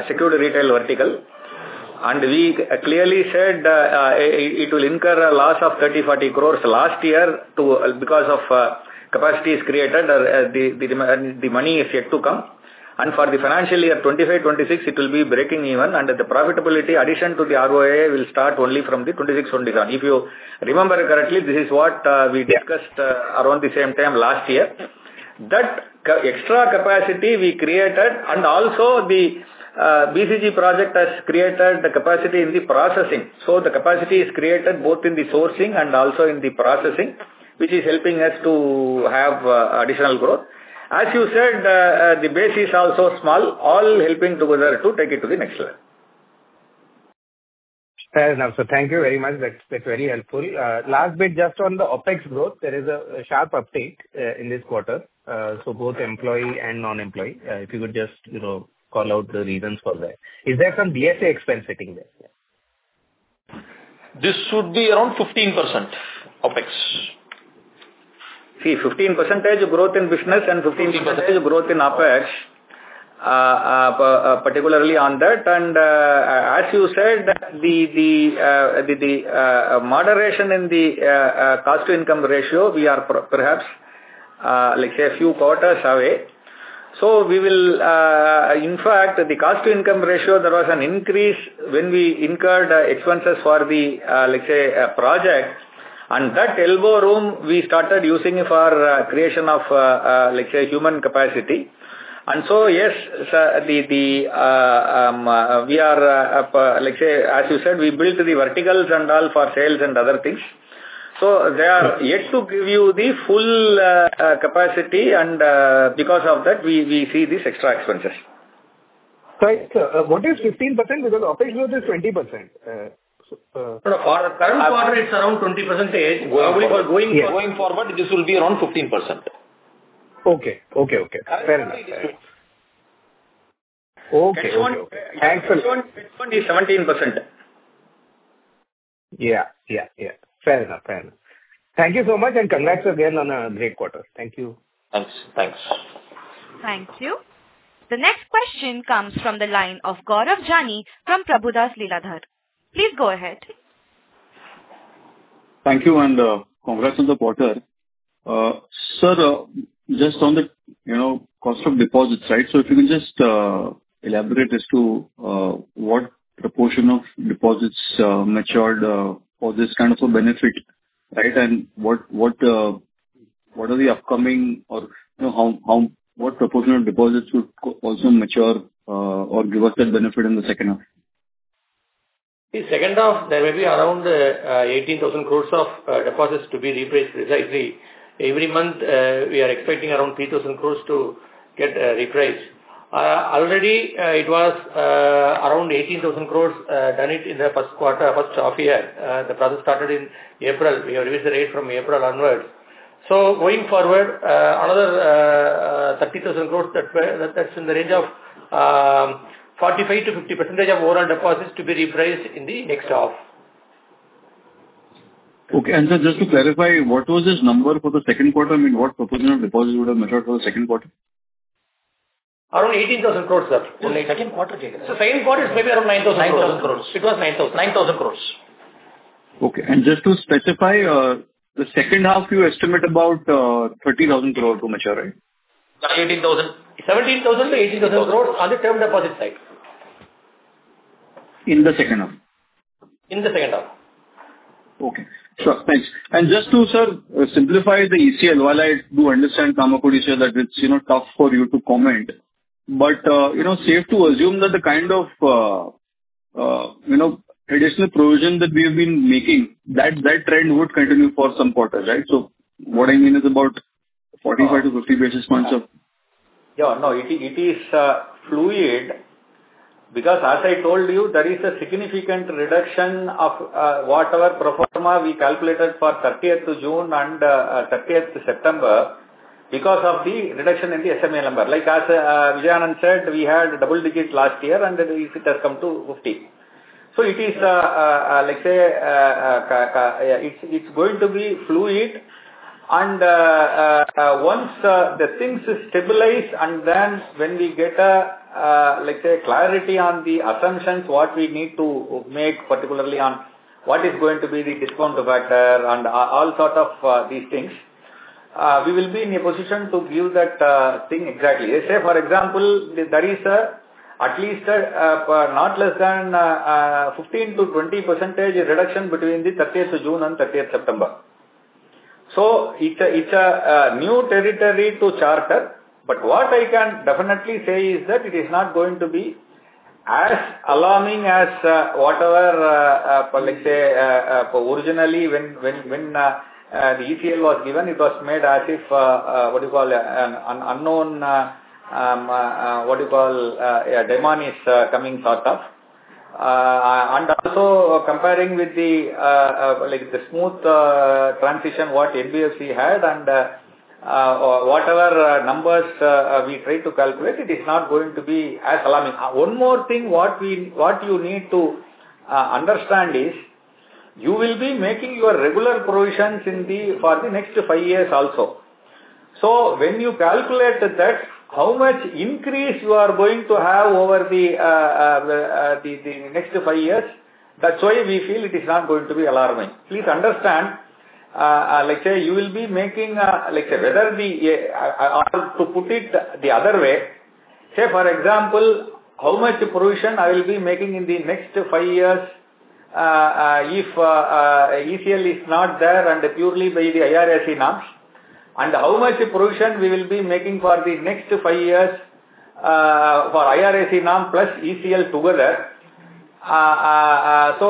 secured retail vertical, and we clearly said it will incur a loss of 30-40 crores last year because of capacities created, and the money is yet to come. And for the financial year 2025, 2026, it will be breaking even, and the profitability addition to the ROA will start only from the 2026, 2027. If you remember correctly, this is what we discussed around the same time last year, that extra capacity we created, and also the BCG project has created the capacity in the processing. So the capacity is created both in the sourcing and also in the processing, which is helping us to have additional growth. As you said, the base is also small, all helping together to take it to the next level. Fair enough. So thank you very much. That's very helpful. Last bit, just on the OpEx growth, there is a sharp uptake in this quarter, so both employee and non-employee. If you could just call out the reasons for that. Is there some BSA expense sitting there? This should be around 15% OpEx. See, 15% growth in business and 15% growth in OpEx, particularly on that. As you said, the moderation in the cost-to-income ratio, we are perhaps, let's say, a few quarters away. We will, in fact, the cost-to-income ratio, there was an increase when we incurred expenses for the, let's say, project. That elbow room, we started using for creation of, let's say, human capacity. Yes, we are, let's say, as you said, we built the verticals and all for sales and other things. They are yet to give you the full capacity, and because of that, we see these extra expenses. Right. What is 15%? Because OpEx growth is 20%. For the current quarter, it's around 20%. Going forward, this will be around 15%. Okay. Okay. Okay. Fair enough. Okay. Thank you. This one is 17%. Yeah. Yeah. Yeah. Fair enough. Fair enough. Thank you so much, and congrats again on a great quarter. Thank you. Thanks. Thanks. Thank you. The next question comes from the line of Gaurav Jani from Prabhudas Leeladhar. Please go ahead. Thank you, and congrats on the quarter. Sir, just on the cost of deposits, right? So if you can just elaborate as to what proportion of deposits matured for this kind of a benefit, right? And what are the upcoming or what proportion of deposits would also mature or give us that benefit in the second half? The second half, there may be around 18,000 crores of deposits to be repriced precisely. Every month, we are expecting around 3,000 crores to get repriced. Already, it was around 18,000 crores done it in the first quarter, first half year. The process started in April. We have raised the rate from April onwards. So going forward, another 30,000 crores. That's in the range of 45%-50% of overall deposits to be repriced in the next half. Okay. And sir, just to clarify, what was this number for the second quarter? I mean, what proportion of deposits would have matured for the second quarter? Around 18,000 crores, sir. Only. Second quarter. So second quarter is maybe around 9,000 crores. 9,000 crores. It was 9,000. 9,000 crores. Okay. And just to specify, the second half, you estimate about 30,000 crores to mature, right? 18,000. 17,000-18,000 crores on the term deposit side. In the second half? In the second half. Okay. Thanks. And just to, sir, simplify the ECL, while I do understand, from a purview, sir, that it's tough for you to comment, but safe to assume that the kind of additional provision that we have been making, that trend would continue for some quarters, right? So what I mean is about 45-50 basis points of. Yeah. No, it is fluid because, as I told you, there is a significant reduction of whatever pro forma we calculated for 30th June and 30th September because of the reduction in the SMA number. Like as Vijayanand said, we had double digits last year, and it has come to 50. So it is, let's say, it's going to be fluid. Once the things stabilize, and then when we get a, let's say, clarity on the assumptions, what we need to make, particularly on what is going to be the discount factor and all sorts of these things, we will be in a position to give that thing exactly. Let's say, for example, there is at least not less than 15%-20% reduction between the 30th June and 30th September. So it's a new territory to charter. But what I can definitely say is that it is not going to be as alarming as whatever, let's say, originally when the ECL was given. It was made as if, what you call, an unknown, what you call, demon is coming sort of. And also comparing with the smooth transition, what NBFC had, and whatever numbers we try to calculate, it is not going to be as alarming. One more thing, what you need to understand is you will be making your regular provisions for the next five years also. So when you calculate that, how much increase you are going to have over the next five years, that's why we feel it is not going to be alarming. Please understand, let's say, you will be making, let's say, whether the, or to put it the other way, say, for example, how much provision I will be making in the next five years if ECL is not there and purely by the IRAC norms, and how much provision we will be making for the next five years for IRAC norms plus ECL together. So,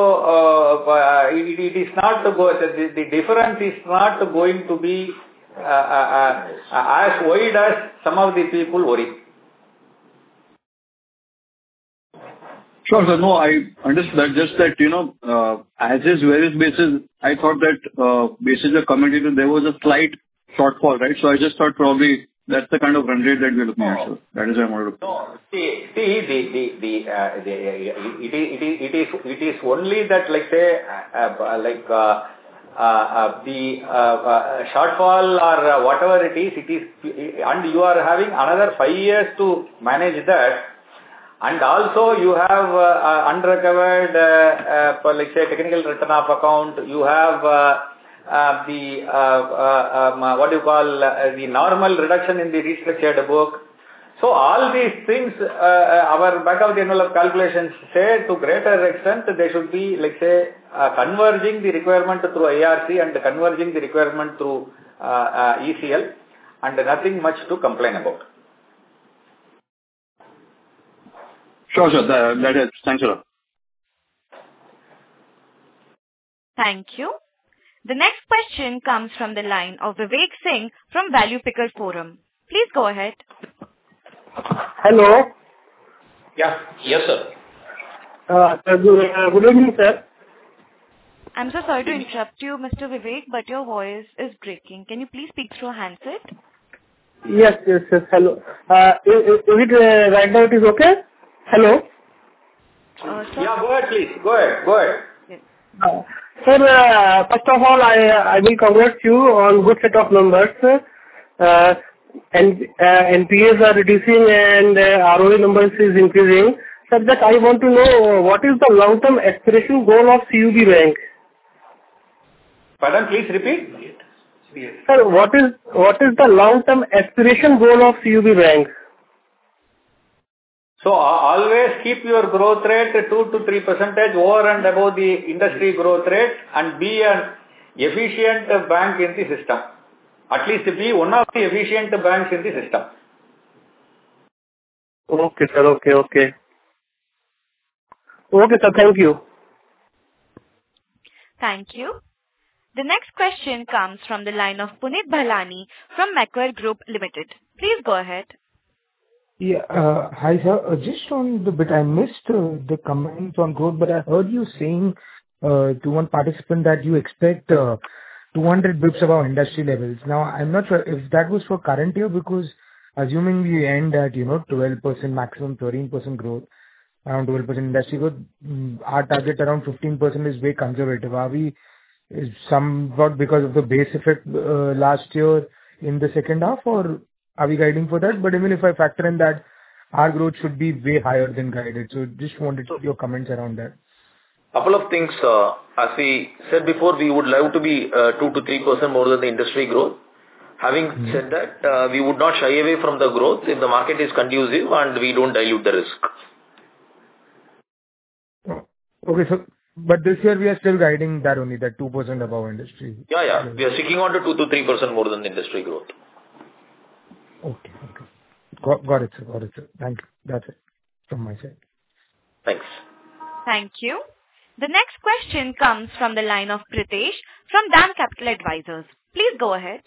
it is not. The difference is not going to be as wide as some of the people worry. Sure. No, I understood that. Just that as is, various basis, I thought that basically the commentator, there was a slight shortfall, right? So I just thought probably that's the kind of run rate that we're looking at, sir. That is what I wanted to. No. See, it is only that, let's say, the shortfall or whatever it is, and you are having another five years to manage that. And also you have undercovered, let's say, technical write-off account. You have the, what you call, the normal reduction in the risk shared book. So all these things, our back of the envelope calculations say to greater extent, there should be, let's say, converging the requirement through IRAC and converging the requirement through ECL, and nothing much to complain about. Sure. Sure. That helps. Thank you, sir. Thank you. The next question comes from the line of Vivek Singh from ValuePickr. Please go ahead. Hello? Yes, sir. Good evening, sir. I'm so sorry to interrupt you, Mr. Vivek, but your voice is breaking. Can you please speak through a handset? Yes. Hello. Is it right now it is okay? Hello? Yeah. Go ahead, please. Sir, first of all, I will congratulate you on good set of numbers. And NPAs are reducing and ROE numbers is increasing. Sir, I want to know what is the long-term aspiration goal of CUB Bank? Pardon? Please repeat. Sir, what is the long-term aspiration goal of CUB Bank? So always keep your growth rate 2%-3% over and above the industry growth rate and be an efficient bank in the system. At least be one of the efficient banks in the system. Okay, sir. Thank you. The next question comes from the line of Punit Bahlani from Macquarie Group. Please go ahead. Yeah. Hi, sir. Just on the bit, I missed the comment on growth, but I heard you saying to one participant that you expect 200 basis points above industry levels. Now, I'm not sure if that was for current year because assuming we end at 12% maximum, 13% growth, around 12% industry growth, our target around 15% is very conservative. Are we somewhat because of the base effect last year in the second half, or are we guiding for that? But even if I factor in that, our growth should be way higher than guided. So just wanted your comments around that. A couple of things. As we said before, we would love to be 2%-3% more than the industry growth. Having said that, we would not shy away from the growth if the market is conducive and we don't dilute the risk. Okay. But this year, we are still guiding that only, that 2% above industry. Yeah. Yeah. We are sticking on to 2 to 3% more than the industry growth. Okay. Okay. Got it, sir. Got it, sir. Thank you. That's it from my side. Thanks. Thank you. The next question comes from the line of Pritesh from DAM Capital Advisors. Please go ahead.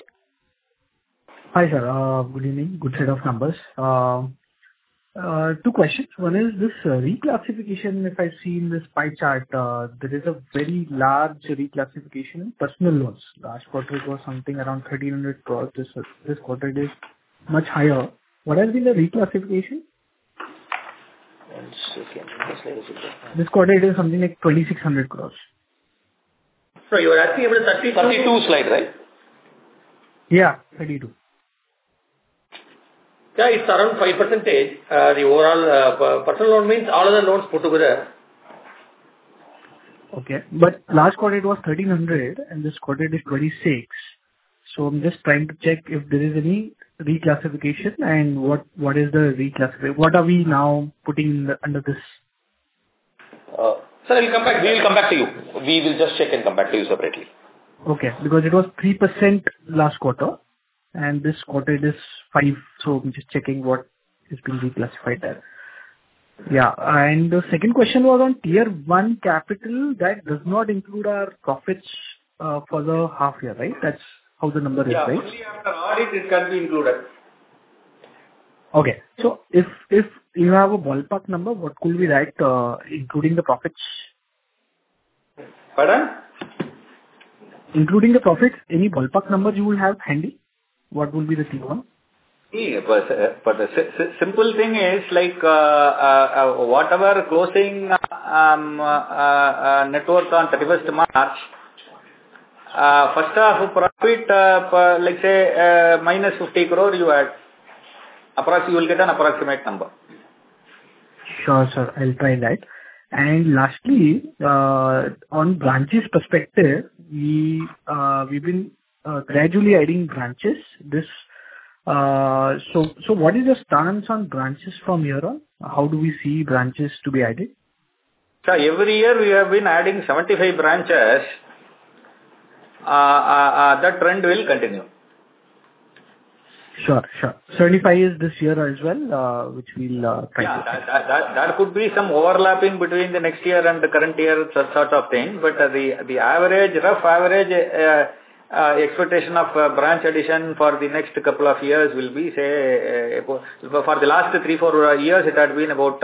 Hi, sir. Good evening. Good set of numbers. Two questions. One is this reclassification, if I've seen this pie chart, there is a very large reclassification in personal loans. Last quarter, it was something around 1,300 crores. This quarter, it is much higher. What has been the reclassification? One second. This quarter, it is something like 2,600 crores. So you are asking about 32? Slide 32, right? Yeah. 32. Yeah. It's around 5%. The overall personal loan means all other loans put together. Okay. But last quarter, it was 1,300, and this quarter, it is 26. So I'm just trying to check if there is any reclassification and what is the reclassification? What are we now putting under this? Sir, we will come back to you. We will just check and come back to you separately. Okay. Because it was 3% last quarter, and this quarter, it is 5%. So I'm just checking what has been reclassified there. Yeah. And the second question was on Tier 1 Capital. That does not include our profits for the half year, right? That's how the number is, right? Yeah. Only after audit, it can be included. Okay. So if you have a ballpark number, what could we write including the profits? Pardon? Including the profits, any ballpark number you will have handy? What will be the T1? But the simple thing is whatever closing net worth on 31st March, first half of profit, let's say, minus 50 crore, you add. You will get an approximate number. Sure, sir. I'll try that. And lastly, on branches perspective, we've been gradually adding branches. So what is the stance on branches from here on? How do we see branches to be added? Every year, we have been adding 75 branches. That trend will continue. Sure. Sure. 75 is this year as well, which we'll try to see. Yeah. There could be some overlapping between the next year and the current year, sort of thing. But the rough average expectation of branch addition for the next couple of years will be, say, for the last three, four years, it had been about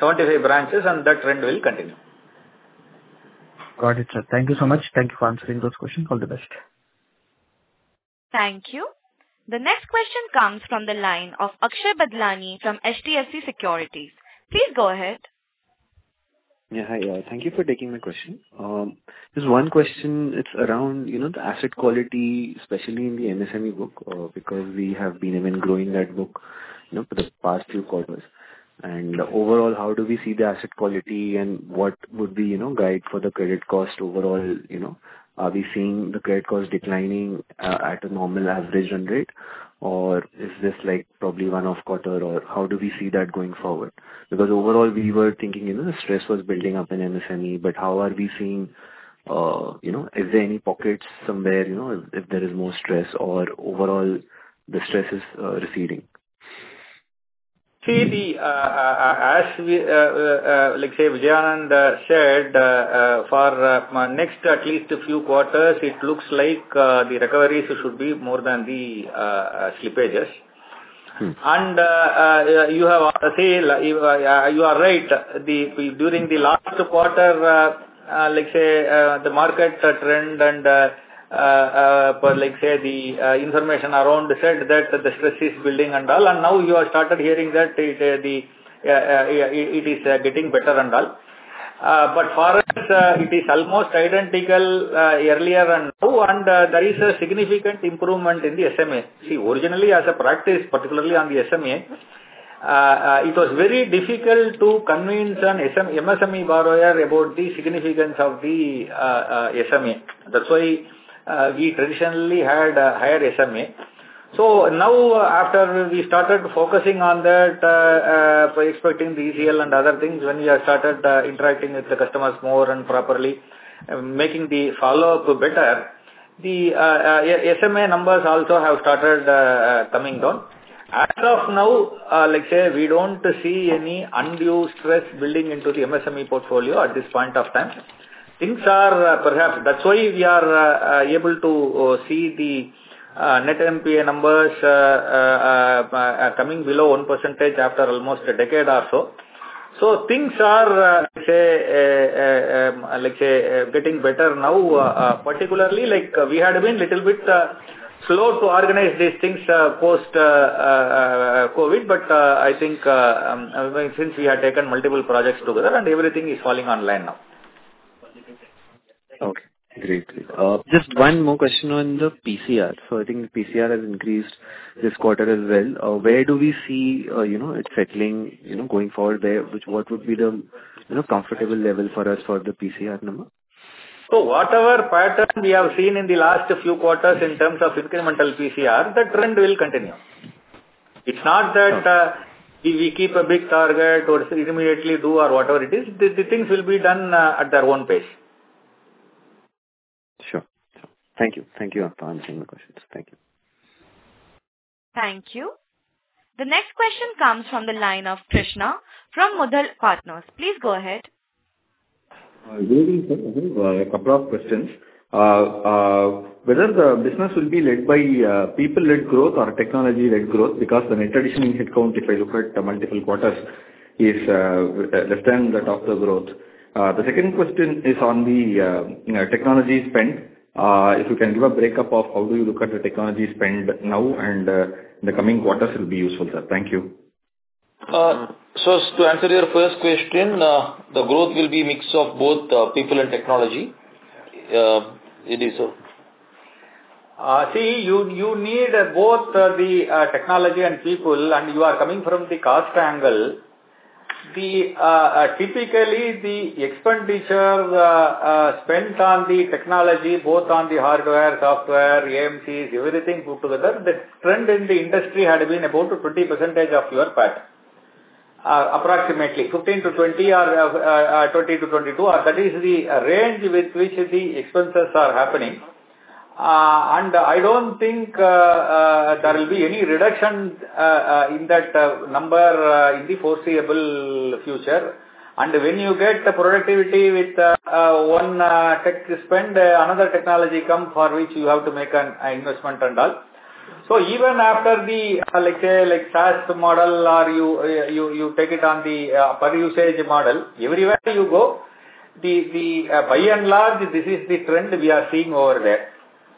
75 branches, and that trend will continue. Got it, sir. Thank you so much. Thank you for answering those questions. All the best. Thank you. The next question comes from the line of Akshay Badlani from HDFC Securities. Please go ahead. Yeah. Hi, thank you for taking my question. Just one question. It's around the asset quality, especially in the MSME book, because we have been even growing that book for the past few quarters. And overall, how do we see the asset quality and what would be guide for the credit cost overall? Are we seeing the credit cost declining at a normal average run rate, or is this probably one-off quarter, or how do we see that going forward? Because overall, we were thinking the stress was building up in MSME, but how are we seeing? Is there any pockets somewhere if there is more stress, or overall, the stress is receding? See, as let's say, Vijayanand said, for next at least a few quarters, it looks like the recoveries should be more than the slippages. And you have to say, you are right. During the last quarter, let's say, the market trend and, let's say, the information around said that the stress is building and all. And now you have started hearing that it is getting better and all. But for us, it is almost identical earlier and now, and there is a significant improvement in the SMA. See, originally, as a practice, particularly on the SMA, it was very difficult to convince an MSME borrower about the significance of the SMA. That's why we traditionally had a higher SMA. So now, after we started focusing on that, expecting the ECL and other things, when we have started interacting with the customers more and properly, making the follow-up better, the SMA numbers also have started coming down. As of now, let's say, we don't see any undue stress building into the MSME portfolio at this point of time. Things are perhaps that's why we are able to see the net NPA numbers coming below 1% after almost a decade or so. So things are, let's say, getting better now. Particularly, we had been a little bit slow to organize these things post-COVID, but I think since we have taken multiple projects together, and everything is falling online now. Okay. Great. Just one more question on the PCR. So I think PCR has increased this quarter as well. Where do we see it settling going forward there? What would be the comfortable level for us for the PCR number? So whatever pattern we have seen in the last few quarters in terms of incremental PCR, the trend will continue. It's not that we keep a big target or immediately do or whatever it is. The things will be done at their own pace. Sure. Thank you. Thank you for answering the questions. Thank you. Thank you. The next question comes from the line of Krishna from Motilal Oswal Financial Services. Please go ahead. A couple of questions. Whether the business will be led by people-led growth or technology-led growth, because the net addition headcount, if I look at multiple quarters, is less than the top of the growth. The second question is on the technology spend. If you can give a breakup of how do you look at the technology spend now and the coming quarters, it will be useful, sir. Thank you. To answer your first question, the growth will be a mix of both people and technology. It is so. See, you need both the technology and people, and you are coming from the cost angle. Typically, the expenditure spent on the technology, both on the hardware, software, AMCs, everything put together, the trend in the industry had been about 20% of your pattern. Approximately 15%-20% or 20%-22%, that is the range with which the expenses are happening. I don't think there will be any reduction in that number in the foreseeable future. When you get the productivity with one tech spend, another technology comes for which you have to make an investment and all. So even after the, let's say, SaaS model, or you take it on the per usage model, everywhere you go, by and large, this is the trend we are seeing over there.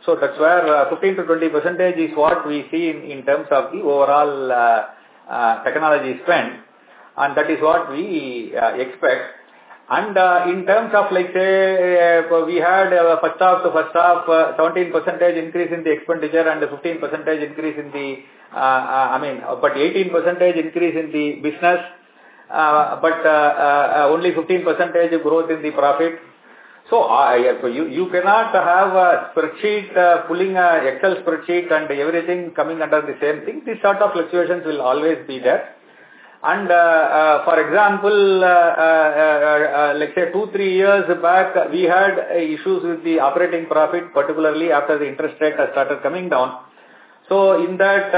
So that's where 15%-20% is what we see in terms of the overall technology spend. And that is what we expect. And in terms of, let's say, we had a first half to first half, 17% increase in the expenditure and 15% increase in the, I mean, but 18% increase in the business, but only 15% growth in the profit. So you cannot have a spreadsheet pulling an Excel spreadsheet and everything coming under the same thing. This sort of fluctuations will always be there. And for example, let's say, two, three years back, we had issues with the operating profit, particularly after the interest rate started coming down. So in that,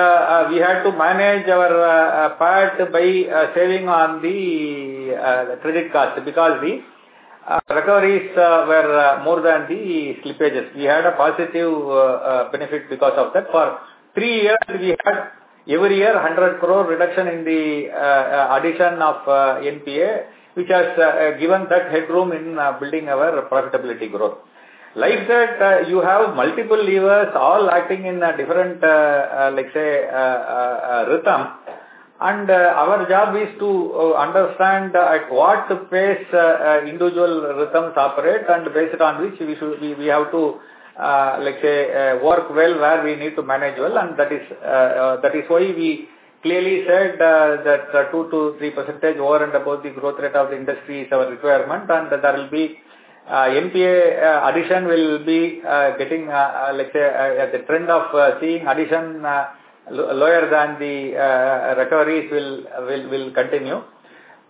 we had to manage our part by saving on the credit cards because the recoveries were more than the slippages. We had a positive benefit because of that. For three years, we had every year 100 crore reduction in the addition of NPA, which has given that headroom in building our profitability growth. Like that, you have multiple levers all acting in a different, let's say, rhythm. And our job is to understand at what pace individual rhythms operate and based on which we have to, let's say, work well where we need to manage well. And that is why we clearly said that 2%-3% over and above the growth rate of the industry is our requirement. And there will be NPA addition will be getting, let's say, the trend of seeing addition lower than the recoveries will continue.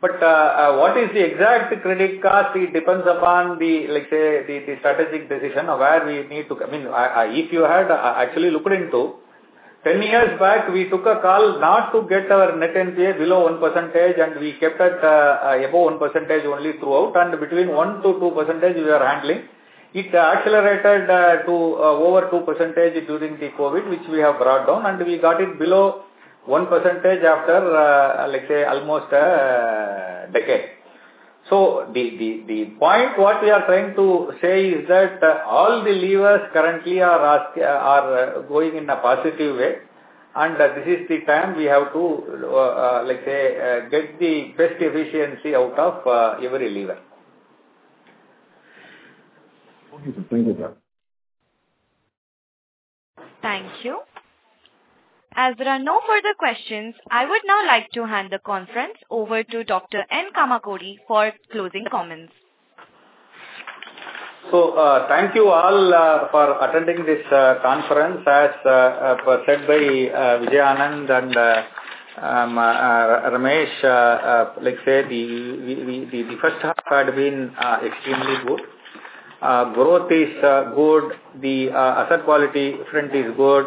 What is the exact credit cost? It depends upon the, let's say, the strategic decision of where we need to come. If you had actually looked into, 10 years back, we took a call not to get our net NPA below 1%, and we kept it above 1% only throughout. And between 1%-2%, we are handling. It accelerated to over 2% during the COVID, which we have brought down. And we got it below 1% after, let's say, almost a decade. So the point what we are trying to say is that all the levers currently are going in a positive way. And this is the time we have to, let's say, get the best efficiency out of every year. Okay. Thank you, sir. Thank you. As there are no further questions, I would now like to hand the conference over to Dr. N. Kamakodi for closing comments. So thank you all for attending this conference, as said by Vijayanand and Ramesh. Let's say, the first half had been extremely good. Growth is good. The asset quality trend is good.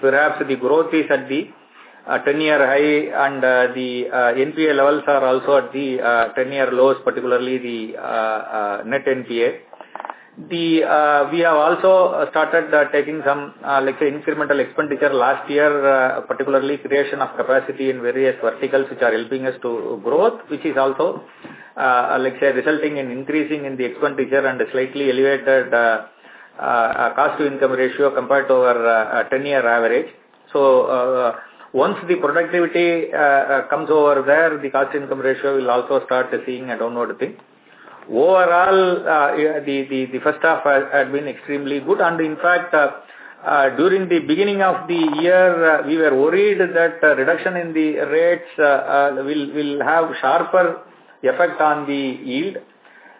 Perhaps the growth is at the 10-year high, and the NPA levels are also at the 10-year lows, particularly the net NPA. We have also started taking some, let's say, incremental expenditure last year, particularly creation of capacity in various verticals, which are helping us to grow, which is also, let's say, resulting in increasing in the expenditure and slightly elevated cost-to-income ratio compared to our 10-year average. So once the productivity comes over there, the cost-to-income ratio will also start seeing a downward thing. Overall, the first half had been extremely good. In fact, during the beginning of the year, we were worried that reduction in the rates will have a sharper effect on the yield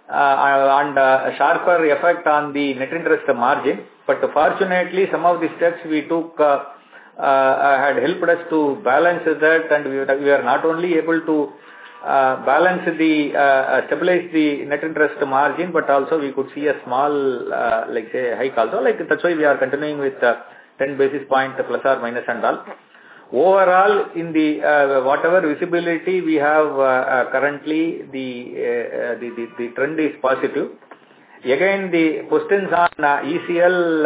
and a sharper effect on the net interest margin. But fortunately, some of the steps we took had helped us to balance that. We are not only able to balance and stabilize the net interest margin, but also we could see a small, let's say, hike also. That's why we are continuing with 10 basis points plus or minus and all. Overall, in whatever visibility we have currently, the trend is positive. Again, the questions on ECL,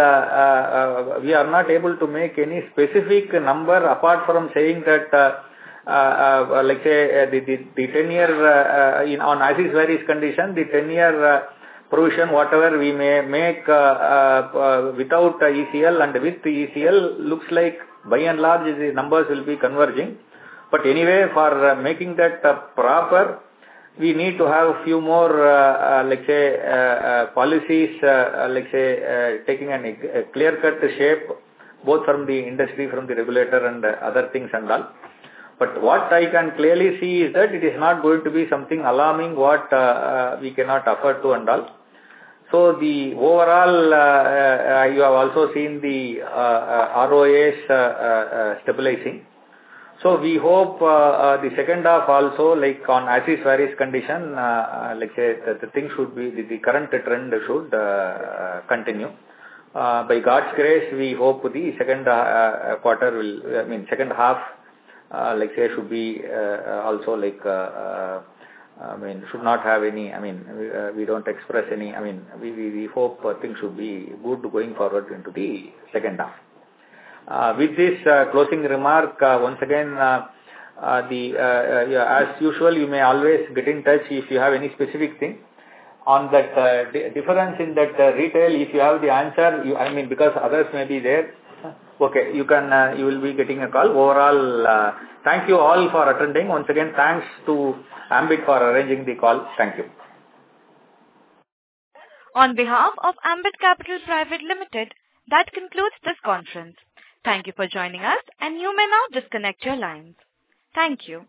we are not able to make any specific number apart from saying that, let's say, the 10-year on IRS various conditions, the 10-year provision, whatever we may make without ECL and with ECL, looks like by and large, the numbers will be converging. But anyway, for making that proper, we need to have a few more, let's say, policies, let's say, taking a clear-cut shape, both from the industry, from the regulator, and other things and all. But what I can clearly see is that it is not going to be something alarming what we cannot afford to and all. So the overall, you have also seen the ROAs stabilizing. So we hope the second half also, like under various conditions, let's say, the things should be the current trend should continue. By God's grace, we hope the second quarter will, I mean, second half, let's say, should be also like, I mean, should not have any, I mean, we don't express any, I mean, we hope things should be good going forward into the second half. With this closing remark, once again, as usual, you may always get in touch if you have any specific thing on that difference in that retail. If you have the answer, I mean, because others may be there. Okay. You will be getting a call. Overall, thank you all for attending. Once again, thanks to Ambit for arranging the call. Thank you. On behalf of Ambit Capital Private Limited, that concludes this conference. Thank you for joining us, and you may now disconnect your lines. Thank you.